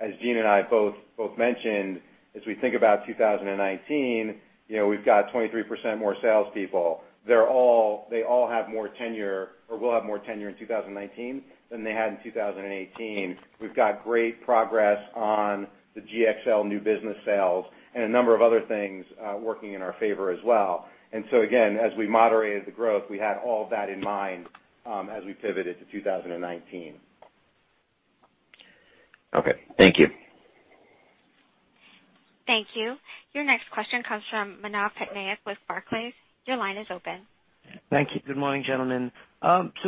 As Gene and I both mentioned, as we think about 2019, we've got 23% more salespeople. They all have more tenure, or will have more tenure in 2019 than they had in 2018. We've got great progress on the GXL new business sales and a number of other things working in our favor as well. Again, as we moderated the growth, we had all of that in mind as we pivoted to 2019. Okay. Thank you. Thank you. Your next question comes from Manav Patnaik with Barclays. Your line is open. Thank you. Good morning, gentlemen.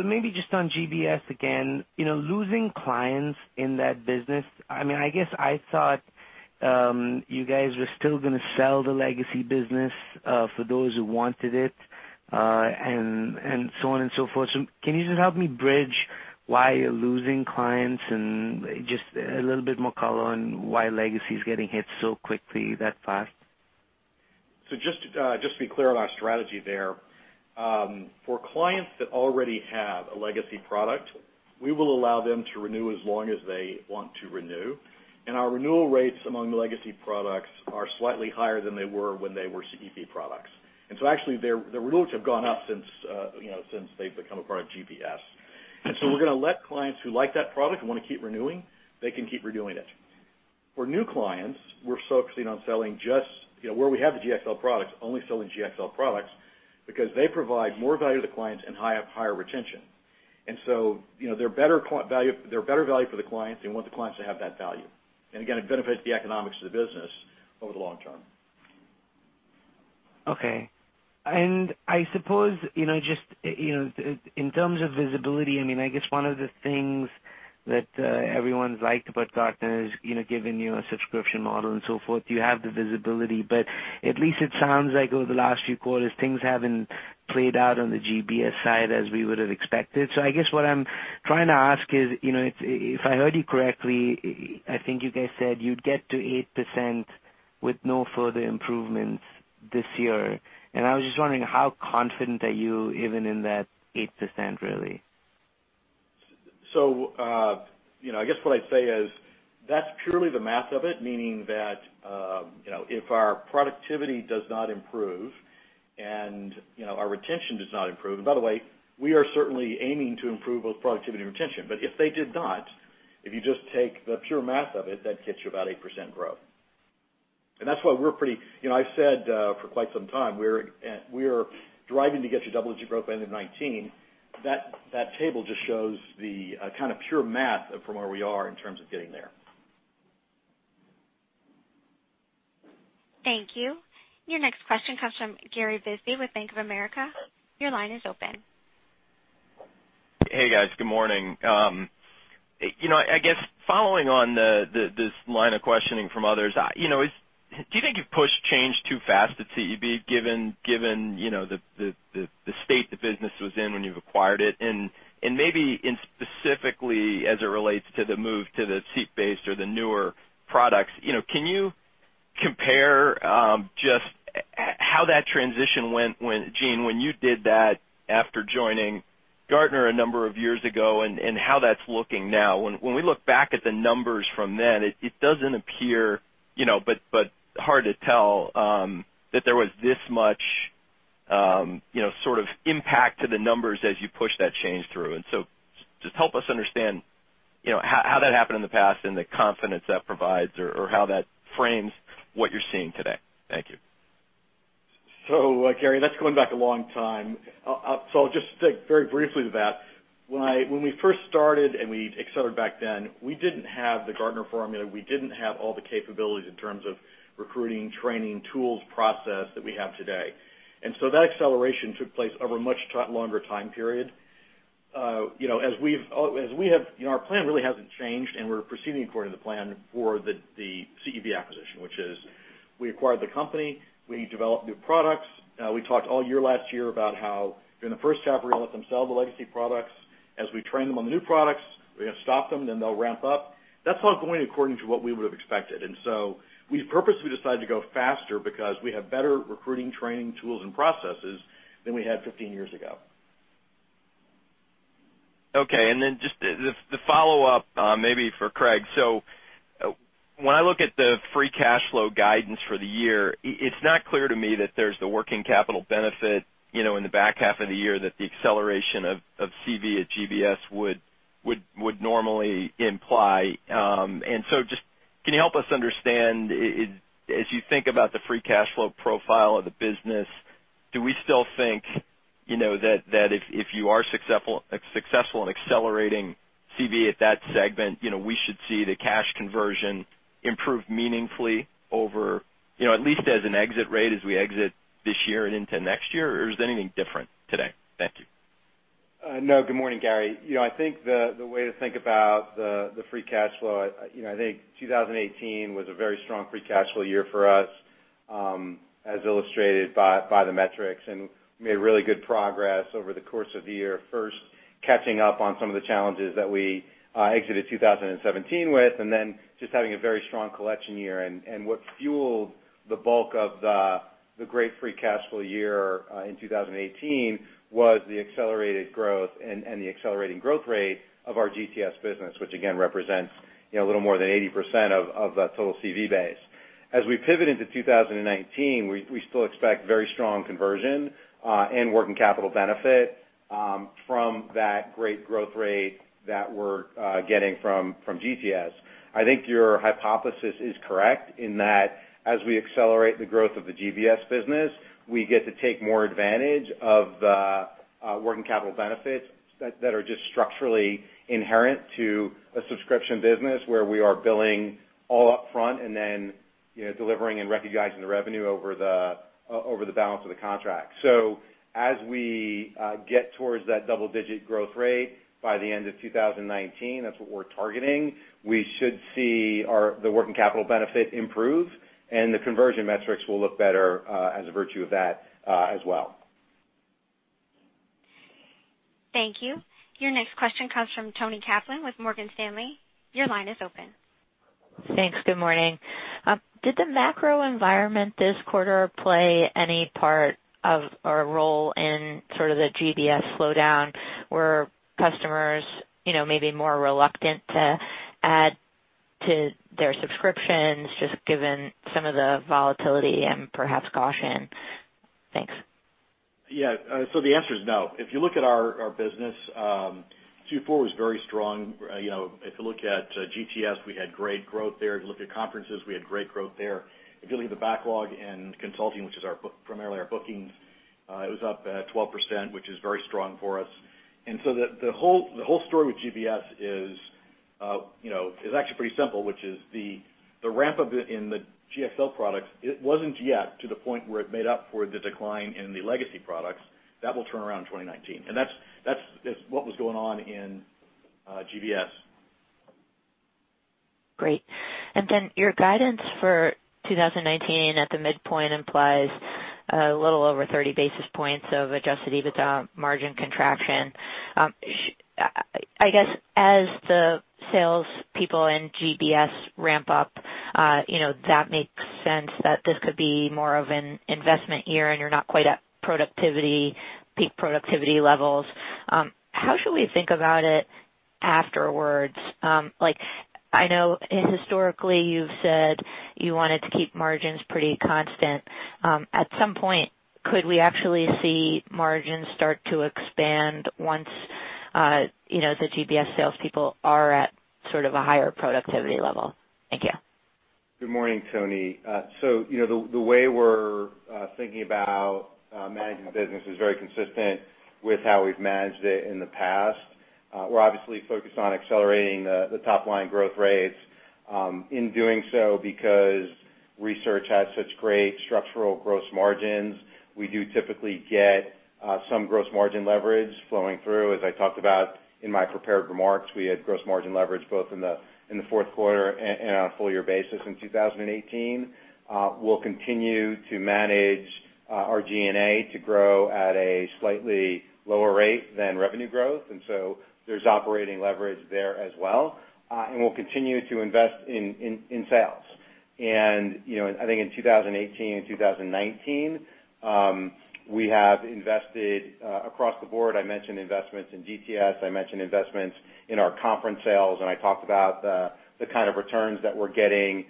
Maybe just on GBS again, losing clients in that business, I guess I thought you guys were still going to sell the legacy business for those who wanted it, and so on and so forth. Can you just help me bridge why you're losing clients and just a little bit more color on why legacy is getting hit so quickly that fast? Just to be clear on our strategy there, for clients that already have a legacy product, we will allow them to renew as long as they want to renew. Our renewal rates among the legacy products are slightly higher than they were when they were CEB products. Actually, the renewals have gone up since they've become a part of GBS. We're going to let clients who like that product and want to keep renewing, they can keep renewing it. For new clients, we're focusing on selling just where we have the GXL products, only selling GXL products, because they provide more value to the clients and have higher retention. They're better value for the clients. They want the clients to have that value. Again, it benefits the economics of the business over the long term. Okay. I suppose, just in terms of visibility, I guess one of the things that everyone's liked about Gartner is giving you a subscription model and so forth. You have the visibility, but at least it sounds like over the last few quarters, things haven't played out on the GBS side as we would've expected. I guess what I'm trying to ask is, if I heard you correctly, I think you guys said you'd get to 8% with no further improvements this year. I was just wondering, how confident are you even in that 8%, really? I guess what I'd say is that's purely the math of it, meaning that if our productivity does not improve and our retention does not improve, and by the way, we are certainly aiming to improve both productivity and retention, but if they did not, if you just take the pure math of it, that gets you about 8% growth. That's why we're pretty I've said for quite some time, we're driving to get to double-digit growth by the end of 2019. That table just shows the kind of pure math from where we are in terms of getting there. Thank you. Your next question comes from Gary Bisbee with Bank of America. Your line is open. Hey, guys. Good morning. I guess following on this line of questioning from others, do you think you've pushed change too fast at CEB given the state the business was in when you've acquired it? Maybe specifically as it relates to the move to the seat-based or the newer products, can you compare just how that transition went, Gene, when you did that after joining Gartner a number of years ago, and how that's looking now? When we look back at the numbers from then, it doesn't appear, but hard to tell, that there was this much sort of impact to the numbers as you push that change through. Just help us understand how that happened in the past and the confidence that provides or how that frames what you're seeing today. Thank you. Gary, that's going back a long time. I'll just stick very briefly to that. When we first started, and we accelerated back then, we didn't have the Gartner Formula. We didn't have all the capabilities in terms of recruiting, training, tools, process that we have today. That acceleration took place over a much longer time period. Our plan really hasn't changed, and we're proceeding according to plan for the CEB acquisition, which is we acquired the company, we developed new products. We talked all year last year about how during the first half, we're going to let them sell the legacy products. As we train them on the new products, we're going to stop them, then they'll ramp up. That's all going according to what we would've expected. We've purposely decided to go faster because we have better recruiting, training, tools, and processes than we had 15 years ago. Okay. Then just the follow-up, maybe for Craig. When I look at the free cash flow guidance for the year, it's not clear to me that there's the working capital benefit in the back half of the year that the acceleration of CV at GBS would normally imply. Just can you help us understand, as you think about the free cash flow profile of the business, do we still think that if you are successful in accelerating CV at that segment, we should see the cash conversion improve meaningfully over at least as an exit rate as we exit this year and into next year? Or is there anything different today? Thank you. No, good morning, Gary. I think the way to think about the free cash flow, I think 2018 was a very strong free cash flow year for us, as illustrated by the metrics. We made really good progress over the course of the year. First catching up on some of the challenges that we exited 2017 with, then just having a very strong collection year. What fueled the bulk of the great free cash flow year in 2018 was the accelerated growth and the accelerating growth rate of our GTS business, which again, represents a little more than 80% of that total CV base. We pivot into 2019, we still expect very strong conversion, and working capital benefit from that great growth rate that we're getting from GTS. I think your hypothesis is correct in that as we accelerate the growth of the GBS business, we get to take more advantage of the working capital benefits that are just structurally inherent to a subscription business where we are billing all upfront and then delivering and recognizing the revenue over the balance of the contract. As we get towards that double-digit growth rate by the end of 2019, that's what we're targeting, we should see the working capital benefit improve, and the conversion metrics will look better as a virtue of that as well. Thank you. Your next question comes from Toni Kaplan with Morgan Stanley. Your line is open. Thanks. Good morning. Did the macro environment this quarter play any part of, or a role in sort of the GBS slowdown where customers maybe more reluctant to add to their subscriptions, just given some of the volatility and perhaps caution? Thanks. Yeah. The answer is no. If you look at our business, Q4 was very strong. If you look at GTS, we had great growth there. If you look at Conferences, we had great growth there. If you look at the backlog in consulting, which is primarily our bookings, it was up at 12%, which is very strong for us. The whole story with GBS is actually pretty simple, which is the ramp up in the GXL products, it wasn't yet to the point where it made up for the decline in the legacy products. That will turn around in 2019. That's what was going on in GBS. Great. Your guidance for 2019 at the midpoint implies a little over 30 basis points of adjusted EBITDA margin contraction. I guess as the salespeople in GBS ramp up, that makes sense that this could be more of an investment year and you're not quite at peak productivity levels. How should we think about it afterwards? I know historically you've said you wanted to keep margins pretty constant. At some point, could we actually see margins start to expand once the GBS salespeople are at sort of a higher productivity level? Thank you. Good morning, Toni. The way we're thinking about managing the business is very consistent with how we've managed it in the past. We're obviously focused on accelerating the top-line growth rates. In doing so, because research has such great structural gross margins, we do typically get some gross margin leverage flowing through. As I talked about in my prepared remarks, we had gross margin leverage both in the fourth quarter and on a full-year basis in 2018. We'll continue to manage our G&A to grow at a slightly lower rate than revenue growth, there's operating leverage there as well. We'll continue to invest in sales. I think in 2018 and 2019, we have invested across the board. I mentioned investments in GTS, I mentioned investments in our Conferences sales, and I talked about the kind of returns that we're getting in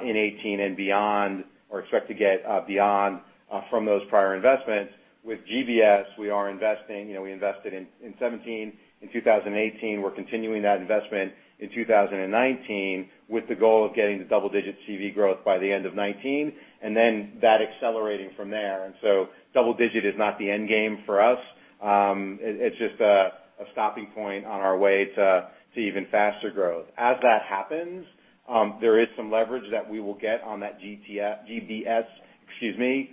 2018 and beyond, or expect to get beyond from those prior investments. With GBS, we are investing. We invested in 2017, in 2018. We're continuing that investment in 2019 with the goal of getting to double-digit CV growth by the end of 2019, then that accelerating from there. Double digit is not the end game for us. It's just a stopping point on our way to even faster growth. As that happens, there is some leverage that we will get on that GBS, excuse me,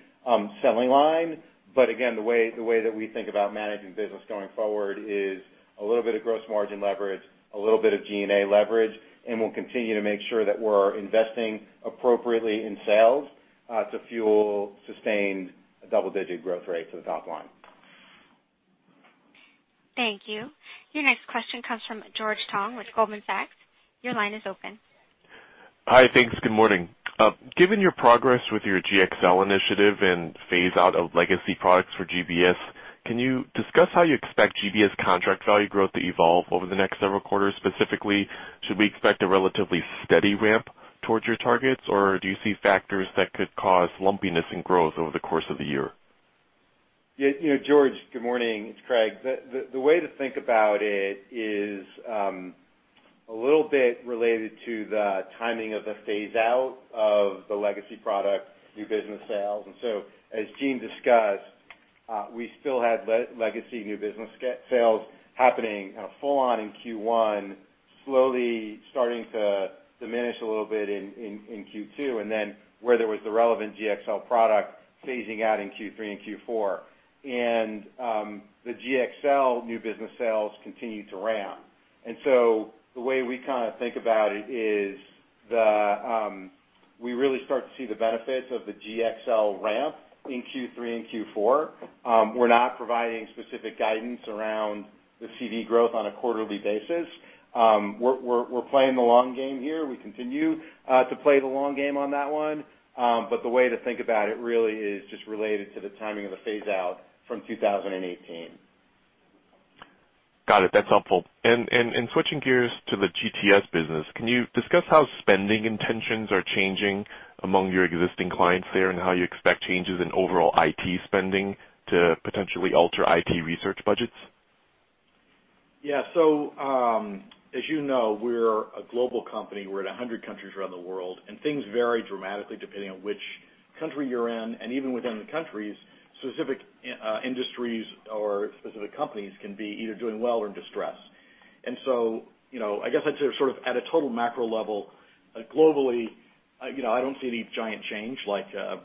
selling line. Again, the way that we think about managing business going forward is a little bit of gross margin leverage, a little bit of G&A leverage, and we'll continue to make sure that we're investing appropriately in sales to fuel sustained double-digit growth rates at the top line. Thank you. Your next question comes from George Tong with Goldman Sachs. Your line is open. Hi. Thanks. Good morning. Given your progress with your GXL initiative and phase out of legacy products for GBS, can you discuss how you expect GBS contract value growth to evolve over the next several quarters? Specifically, should we expect a relatively steady ramp towards your targets, or do you see factors that could cause lumpiness in growth over the course of the year? Yeah. George, good morning. It's Craig. The way to think about it is a little bit related to the timing of the phase-out of the legacy product, new business sales. As Gene discussed, we still had legacy new business sales happening full on in Q1, slowly starting to diminish a little bit in Q2, and then where there was the relevant GXL product phasing out in Q3 and Q4. The GXL new business sales continued to ramp. The way we kind of think about it is we really start to see the benefits of the GXL ramp in Q3 and Q4. We're not providing specific guidance around the CV growth on a quarterly basis. We're playing the long game here. We continue to play the long game on that one. The way to think about it really is just related to the timing of the phase-out from 2018. Got it. That's helpful. Switching gears to the GTS business, can you discuss how spending intentions are changing among your existing clients there, and how you expect changes in overall IT spending to potentially alter IT research budgets? Yeah. As you know, we're a global company. We're in 100 countries around the world, things vary dramatically depending on which country you're in. Even within the countries, specific industries or specific companies can be either doing well or in distress. I guess I'd say sort of at a total macro level, globally, I don't see any giant change like a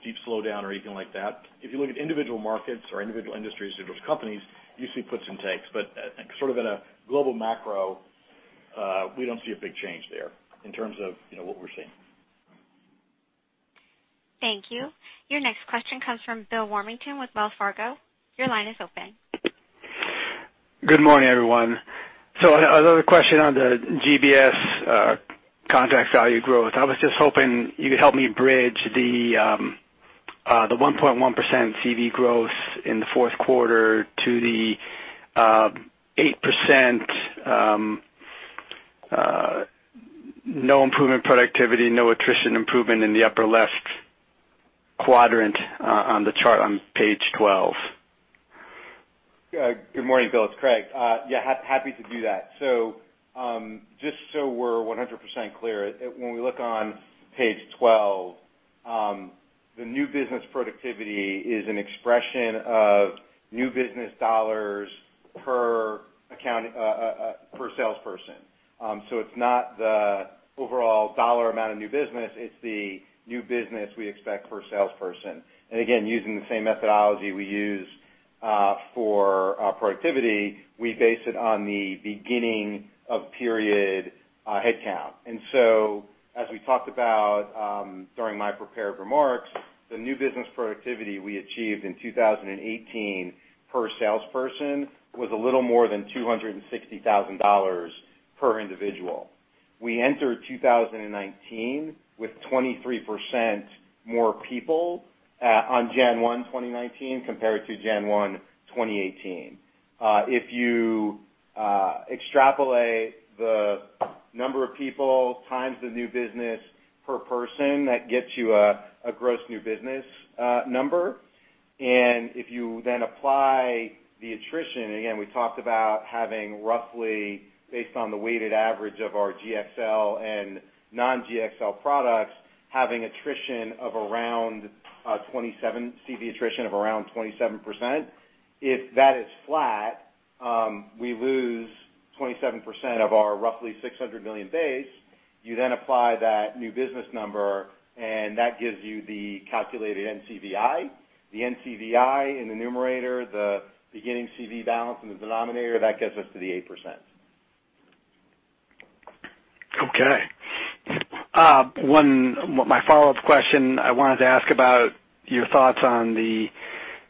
steep slowdown or anything like that. If you look at individual markets or individual industries, individual companies, you see puts and takes. Sort of in a global macro, we don't see a big change there in terms of what we're seeing. Thank you. Your next question comes from Bill Warmington with Wells Fargo. Your line is open. Good morning, everyone. Another question on the GBS contract value growth. I was just hoping you could help me bridge the 1.1% CV growth in the fourth quarter to the 8% no improvement productivity, no attrition improvement in the upper left quadrant on the chart on page 12. Good morning, Bill. It's Craig. Happy to do that. Just so we're 100% clear, when we look on page 12, the new business productivity is an expression of new business dollars per salesperson. It's not the overall dollar amount of new business, it's the new business we expect per salesperson. Again, using the same methodology we use for productivity, we base it on the beginning of period headcount. As we talked about during my prepared remarks, the new business productivity we achieved in 2018 per salesperson was a little more than $260,000 per individual. We entered 2019 with 23% more people on Jan-1, 2019 compared to Jan-1, 2018. If you extrapolate the number of people times the new business per person, that gets you a gross new business number. If you apply the attrition, again, we talked about having roughly based on the weighted average of our GXL and non-GXL products having attrition of around 27, CV attrition of around 27%. If that is flat, we lose 27% of our roughly $600 million base. You apply that new business number, and that gives you the calculated NCVI. The NCVI in the numerator, the beginning CV balance in the denominator, that gets us to the 8%. Okay. My follow-up question, I wanted to ask about your thoughts on the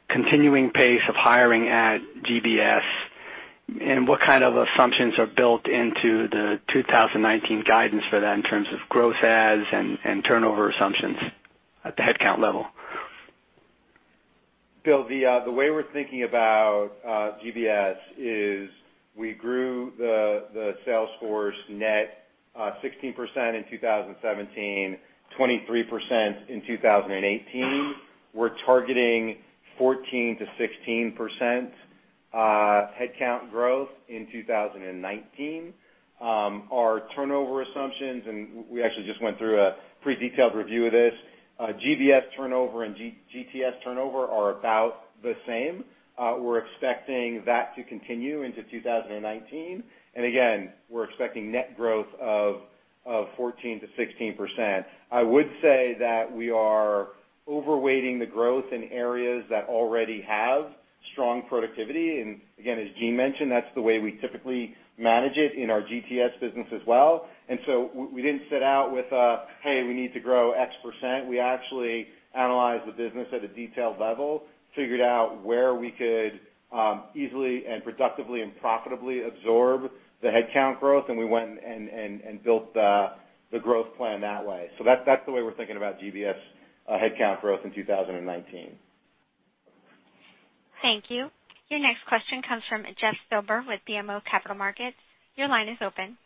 continuing pace of hiring at GBS and what kind of assumptions are built into the 2019 guidance for that in terms of growth adds and turnover assumptions at the headcount level. Bill, the way we're thinking about GBS is we grew the sales force net 16% in 2017, 23% in 2018. We're targeting 14%-16% headcount growth in 2019. Our turnover assumptions, and we actually just went through a pretty detailed review of this, GBS turnover and GTS turnover are about the same. We're expecting that to continue into 2019. Again, we're expecting net growth of 14%-16%. I would say that we are overweighting the growth in areas that already have strong productivity. Again, as Gene mentioned, that's the way we typically manage it in our GTS business as well. We didn't set out with a, "Hey, we need to grow X%." We actually analyzed the business at a detailed level, figured out where we could easily and productively and profitably absorb the headcount growth, and we went and built the growth plan that way. That's the way we're thinking about GBS headcount growth in 2019. Thank you. Your next question comes from Jeff Silber with BMO Capital Markets. Your line is open.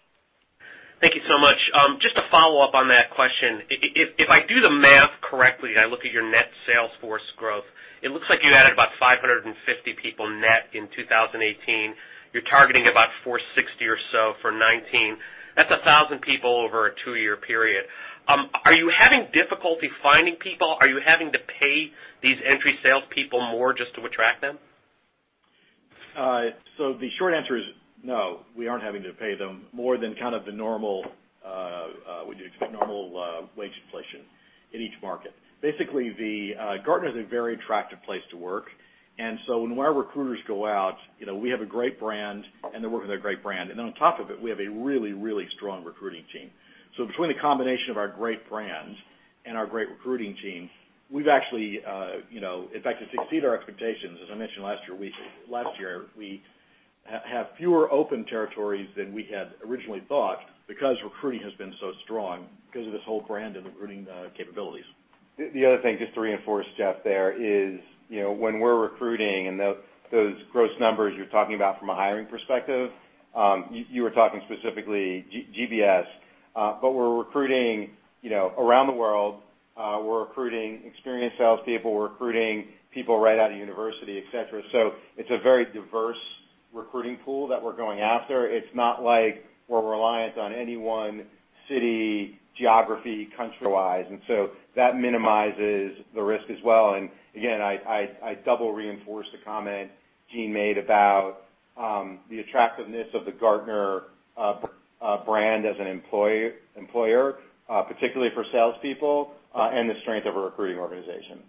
Thank you so much. Just to follow up on that question, if I do the math correctly and I look at your net sales force growth, it looks like you added about 550 people net in 2018. You're targeting about 460 or so for 2019. That's 1,000 people over a two-year period. Are you having difficulty finding people? Are you having to pay these entry salespeople more just to attract them? The short answer is no, we aren't having to pay them more than kind of the normal wage inflation in each market. Basically, Gartner is a very attractive place to work, when our recruiters go out, we have a great brand and they're working with a great brand. On top of it, we have a really strong recruiting team. Between the combination of our great brand and our great recruiting team, we've actually, in fact, exceeded our expectations. As I mentioned last year, we have fewer open territories than we had originally thought because recruiting has been so strong, because of this whole brand and recruiting capabilities. The other thing, just to reinforce, Jeff, there is, when we're recruiting and those gross numbers you're talking about from a hiring perspective, you were talking specifically GBS. We're recruiting around the world. We're recruiting experienced salespeople, we're recruiting people right out of university, et cetera. It's a very diverse recruiting pool that we're going after. It's not like we're reliant on any one city, geography, country-wise, that minimizes the risk as well. Again, I double reinforce the comment Gene made about the attractiveness of the Gartner brand as an employer, particularly for salespeople, and the strength of a recruiting organization.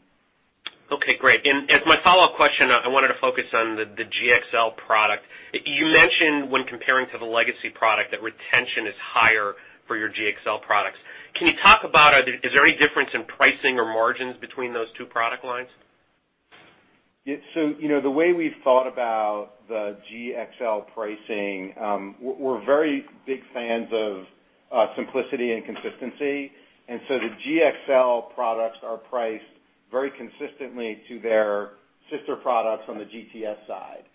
Okay, great. As my follow-up question, I wanted to focus on the GXL product. You mentioned when comparing to the legacy product, that retention is higher for your GXL products. Can you talk about, is there any difference in pricing or margins between those two product lines? Yeah. The way we've thought about the GXL pricing, we're very big fans of simplicity and consistency. The GXL products are priced very consistently to their sister products on the GTS side.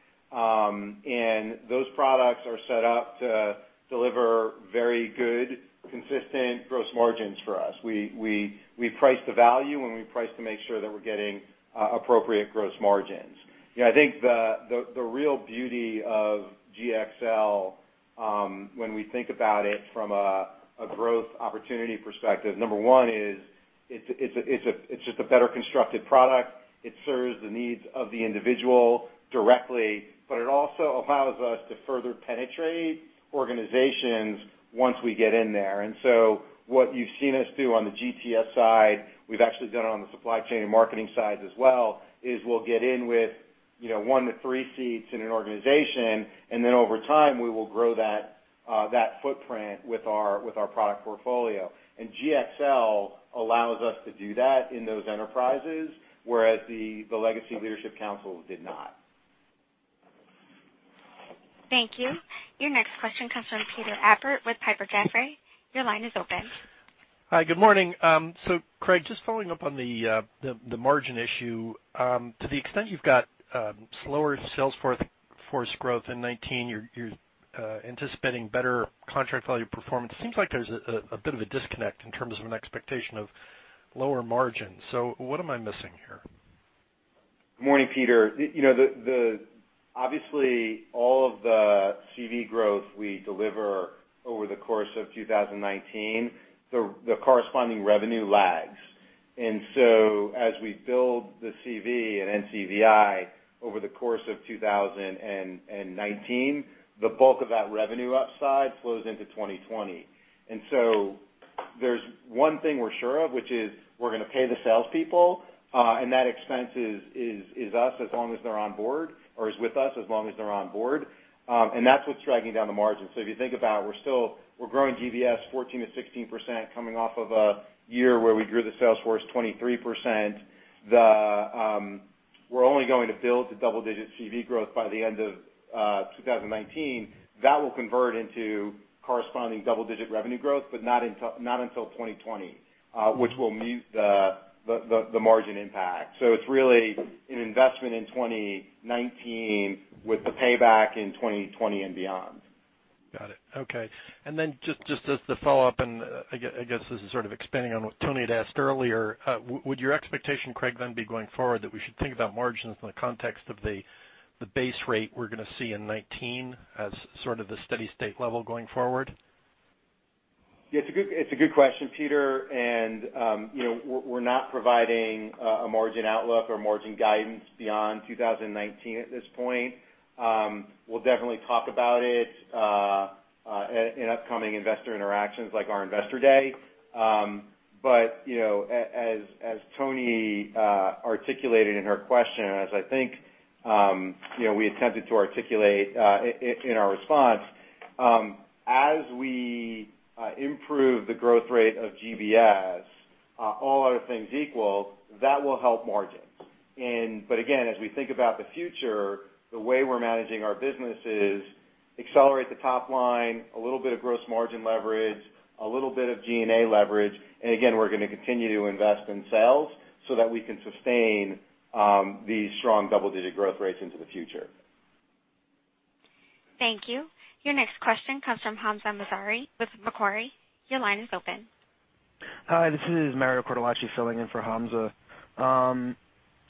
Those products are set up to deliver very good, consistent gross margins for us. We price to value, and we price to make sure that we're getting appropriate gross margins. I think the real beauty of GXL, when we think about it from a growth opportunity perspective, number 1 is it's just a better constructed product. It serves the needs of the individual directly, but it also allows us to further penetrate organizations once we get in there. What you've seen us do on the GTS side, we've actually done it on the supply chain and marketing sides as well, is we'll get in with 1 to 3 seats in an organization, and then over time, we will grow that footprint with our product portfolio. GXL allows us to do that in those enterprises, whereas the legacy leadership council did not. Thank you. Your next question comes from Peter Appert with Piper Jaffray. Your line is open. Hi, good morning. Craig, just following up on the margin issue. To the extent you've got slower sales force growth in 2019, you're anticipating better contract value performance. It seems like there's a bit of a disconnect in terms of an expectation of lower margins. What am I missing here? Good morning, Peter. Obviously, all of the CV growth we deliver over the course of 2019, the corresponding revenue lags. As we build the CV and NCVI over the course of 2019, the bulk of that revenue upside flows into 2020. There's one thing we're sure of, which is we're going to pay the salespeople, and that expense is us as long as they're on board, or is with us as long as they're on board. That's what's dragging down the margin. If you think about it, we're growing GBS 14%-16% coming off of a year where we grew the sales force 23%. We're only going to build to double-digit CV growth by the end of 2019. That will convert into corresponding double-digit revenue growth, but not until 2020, which will meet the margin impact. It's really an investment in 2019 with the payback in 2020 and beyond. Got it. Okay. Just as the follow-up, and I guess this is sort of expanding on what Toni had asked earlier, would your expectation, Craig, then be going forward that we should think about margins in the context of the base rate we're going to see in 2019 as sort of the steady state level going forward? Yeah, it's a good question, Peter. We're not providing a margin outlook or margin guidance beyond 2019 at this point. We'll definitely talk about it in upcoming investor interactions like our investor day. As Toni articulated in her question, and as I think we attempted to articulate in our response, as we improve the growth rate of GBS, all other things equal, that will help margins. Again, as we think about the future, the way we're managing our business is: Accelerate the top line, a little bit of gross margin leverage, a little bit of G&A leverage. Again, we're going to continue to invest in sales so that we can sustain these strong double-digit growth rates into the future. Thank you. Your next question comes from Hamzah Mazari with Macquarie. Your line is open. Hi, this is Mario Cortellacci filling in for Hamzah.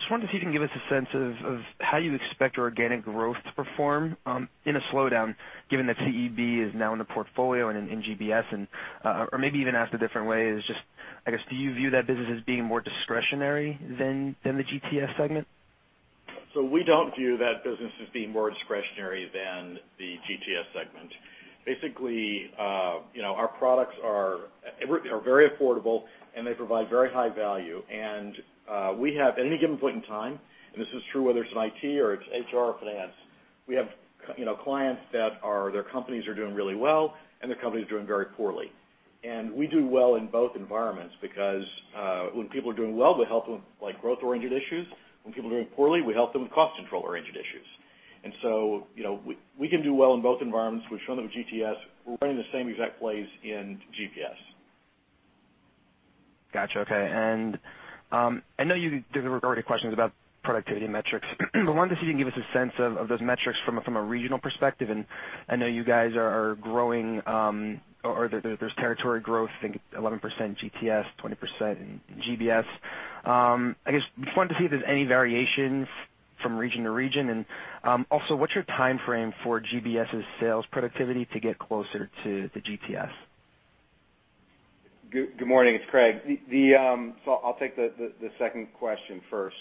Just wondered if you can give us a sense of how you expect your organic growth to perform in a slowdown, given that CEB is now in the portfolio and in GBS, or maybe even asked a different way, is just, I guess, do you view that business as being more discretionary than the GTS segment? We don't view that business as being more discretionary than the GTS segment. Basically, our products are very affordable and they provide very high value. We have, at any given point in time, and this is true whether it's in IT or it's HR or finance, we have clients that their companies are doing really well, and their company's doing very poorly. We do well in both environments because when people are doing well, we help them with growth-oriented issues. When people are doing poorly, we help them with cost control-oriented issues. We can do well in both environments. We've shown them with GTS. We're running the same exact plays in GBS. Got you. Okay. I know there's already questions about productivity and metrics, but I wanted to see if you can give us a sense of those metrics from a regional perspective. I know you guys are growing, or there's territory growth, I think 11% GTS, 20% in GBS. I guess, just wanted to see if there's any variations from region to region. Also, what's your timeframe for GBS's sales productivity to get closer to the GTS? Good morning. It's Craig. I'll take the second question first.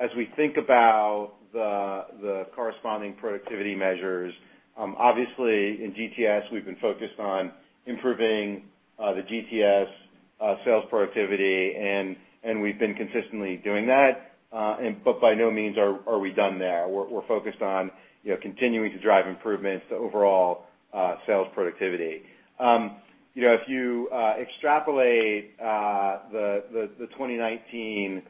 As we think about the corresponding productivity measures, obviously in GTS, we've been focused on improving the GTS sales productivity, and we've been consistently doing that. By no means, are we done there. We're focused on continuing to drive improvements to overall sales productivity. If you extrapolate the 2019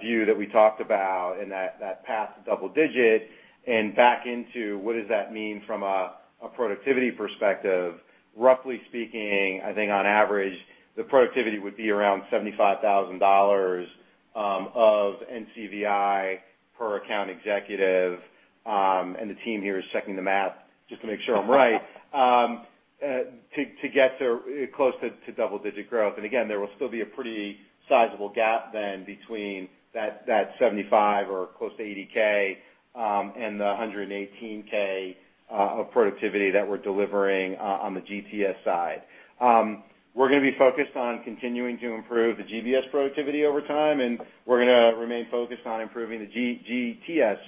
view that we talked about and that path to double-digit and back into what does that mean from a productivity perspective, roughly speaking, I think on average, the productivity would be around $75,000 of NCVI per account executive, and the team here is checking the math just to make sure I'm right, to get close to double-digit growth. Again, there will still be a pretty sizable gap then between that $75,000 or close to $80,000, and the $118,000 of productivity that we're delivering on the GTS side. We're going to be focused on continuing to improve the GBS productivity over time, and we're going to remain focused on improving the GTS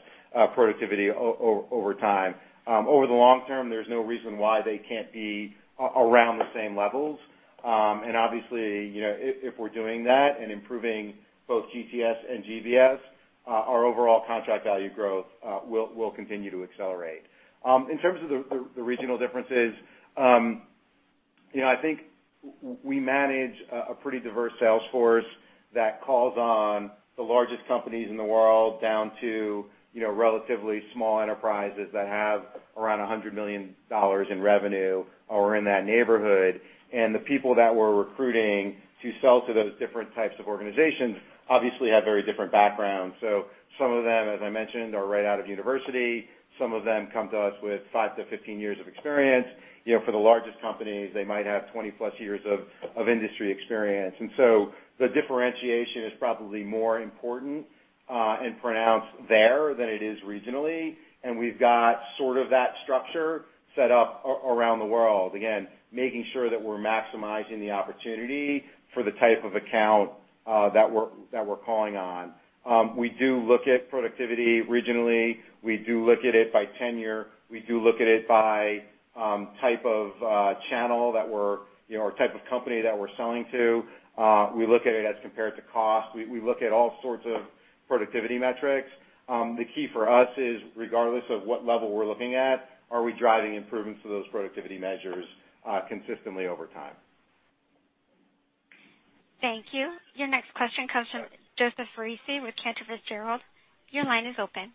productivity over time. Over the long term, there's no reason why they can't be around the same levels. Obviously, if we're doing that and improving both GTS and GBS, our overall contract value growth will continue to accelerate. In terms of the regional differences, I think we manage a pretty diverse sales force that calls on the largest companies in the world down to relatively small enterprises that have around $100 million in revenue or in that neighborhood. The people that we're recruiting to sell to those different types of organizations obviously have very different backgrounds. Some of them, as I mentioned, are right out of university. Some of them come to us with five to 15 years of experience. For the largest companies, they might have 20-plus years of industry experience. The differentiation is probably more important and pronounced there than it is regionally, and we've got sort of that structure set up around the world. Again, making sure that we're maximizing the opportunity for the type of account that we're calling on. We do look at productivity regionally. We do look at it by tenure. We do look at it by type of channel or type of company that we're selling to. We look at it as compared to cost. We look at all sorts of productivity metrics. The key for us is regardless of what level we're looking at, are we driving improvements to those productivity measures consistently over time? Thank you. Your next question comes from Joseph Foresi with Cantor Fitzgerald. Your line is open.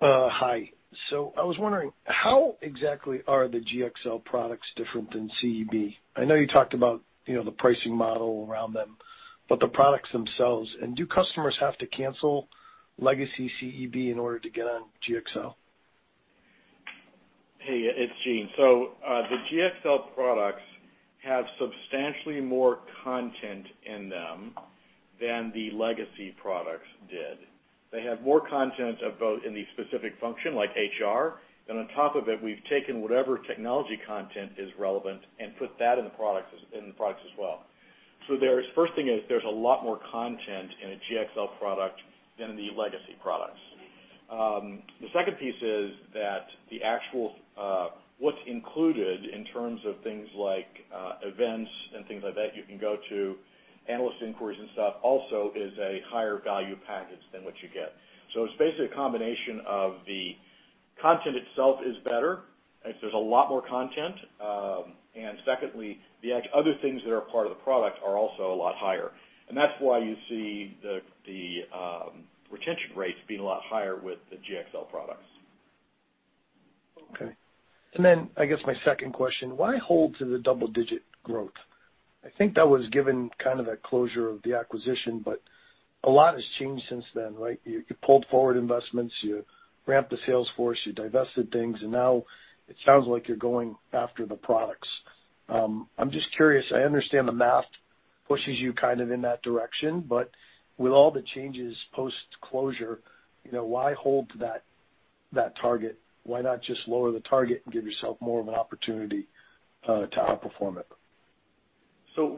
Hi. I was wondering, how exactly are the GXL products different than CEB? I know you talked about the pricing model around them, the products themselves. Do customers have to cancel legacy CEB in order to get on GXL? Hey, it's Gene. The GXL products have substantially more content in them than the legacy products did. They have more content in the specific function like HR, on top of it, we've taken whatever technology content is relevant and put that in the products as well. First thing is, there's a lot more content in a GXL product than in the legacy products. The second piece is that what's included in terms of things like events and things like that you can go to, analyst inquiries and stuff, also is a higher value package than what you get. It's basically a combination of the content itself is better There's a lot more content. Secondly, the other things that are part of the product are also a lot higher. That's why you see the retention rates being a lot higher with the GXL products. Okay. I guess my second question, why hold to the double-digit growth? I think that was given kind of at closure of the acquisition, a lot has changed since then, right? You pulled forward investments, you ramped the sales force, you divested things, now it sounds like you're going after the products. I'm just curious. I understand the math pushes you kind of in that direction, with all the changes post-closure, why hold to that target? Why not just lower the target and give yourself more of an opportunity to outperform it?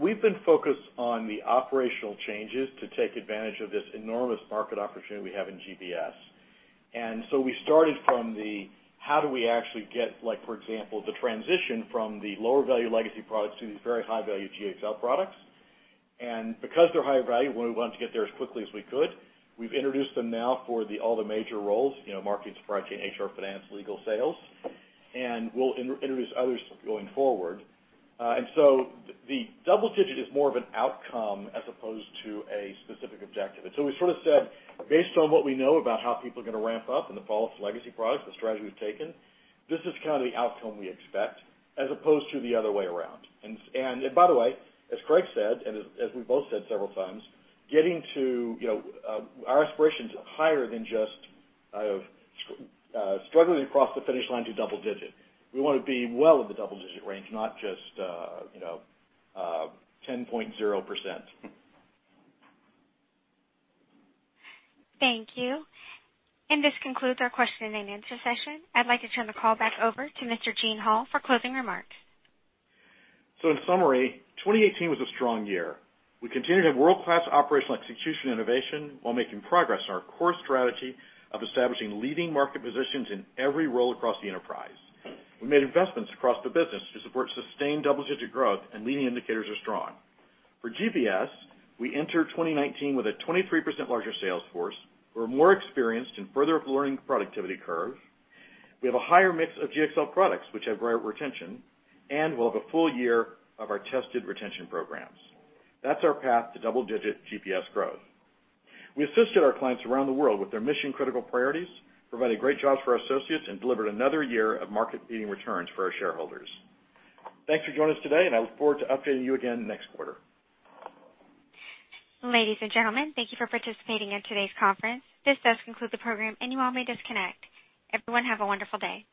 We've been focused on the operational changes to take advantage of this enormous market opportunity we have in GBS. We started from the how do we actually get, for example, the transition from the lower-value legacy products to these very high-value GXL products. Because they're higher value, we wanted to get there as quickly as we could. We've introduced them now for all the major roles, marketing, supply chain, HR, finance, legal, sales, we'll introduce others going forward. The double digit is more of an outcome as opposed to a specific objective. We sort of said, "Based on what we know about how people are going to ramp up and the legacy products, the strategy we've taken, this is kind of the outcome we expect, as opposed to the other way around." As Craig said, as we both said several times, our aspiration's higher than just struggling across the finish line to double digit. We want to be well in the double-digit range, not just 10.0%. Thank you. This concludes our question and answer session. I'd like to turn the call back over to Mr. Gene Hall for closing remarks. In summary, 2018 was a strong year. We continued to have world-class operational execution innovation while making progress on our core strategy of establishing leading market positions in every role across the enterprise. We made investments across the business to support sustained double-digit growth, and leading indicators are strong. For GBS, we enter 2019 with a 23% larger sales force. We're more experienced and further up the learning productivity curve. We have a higher mix of GXL products, which have greater retention, and we'll have a full year of our tested retention programs. That's our path to double-digit GBS growth. We assisted our clients around the world with their mission-critical priorities, provided great jobs for our associates, and delivered another year of market-leading returns for our shareholders. Thanks for joining us today, and I look forward to updating you again next quarter. Ladies and gentlemen, thank you for participating in today's conference. This does conclude the program, and you all may disconnect. Everyone, have a wonderful day.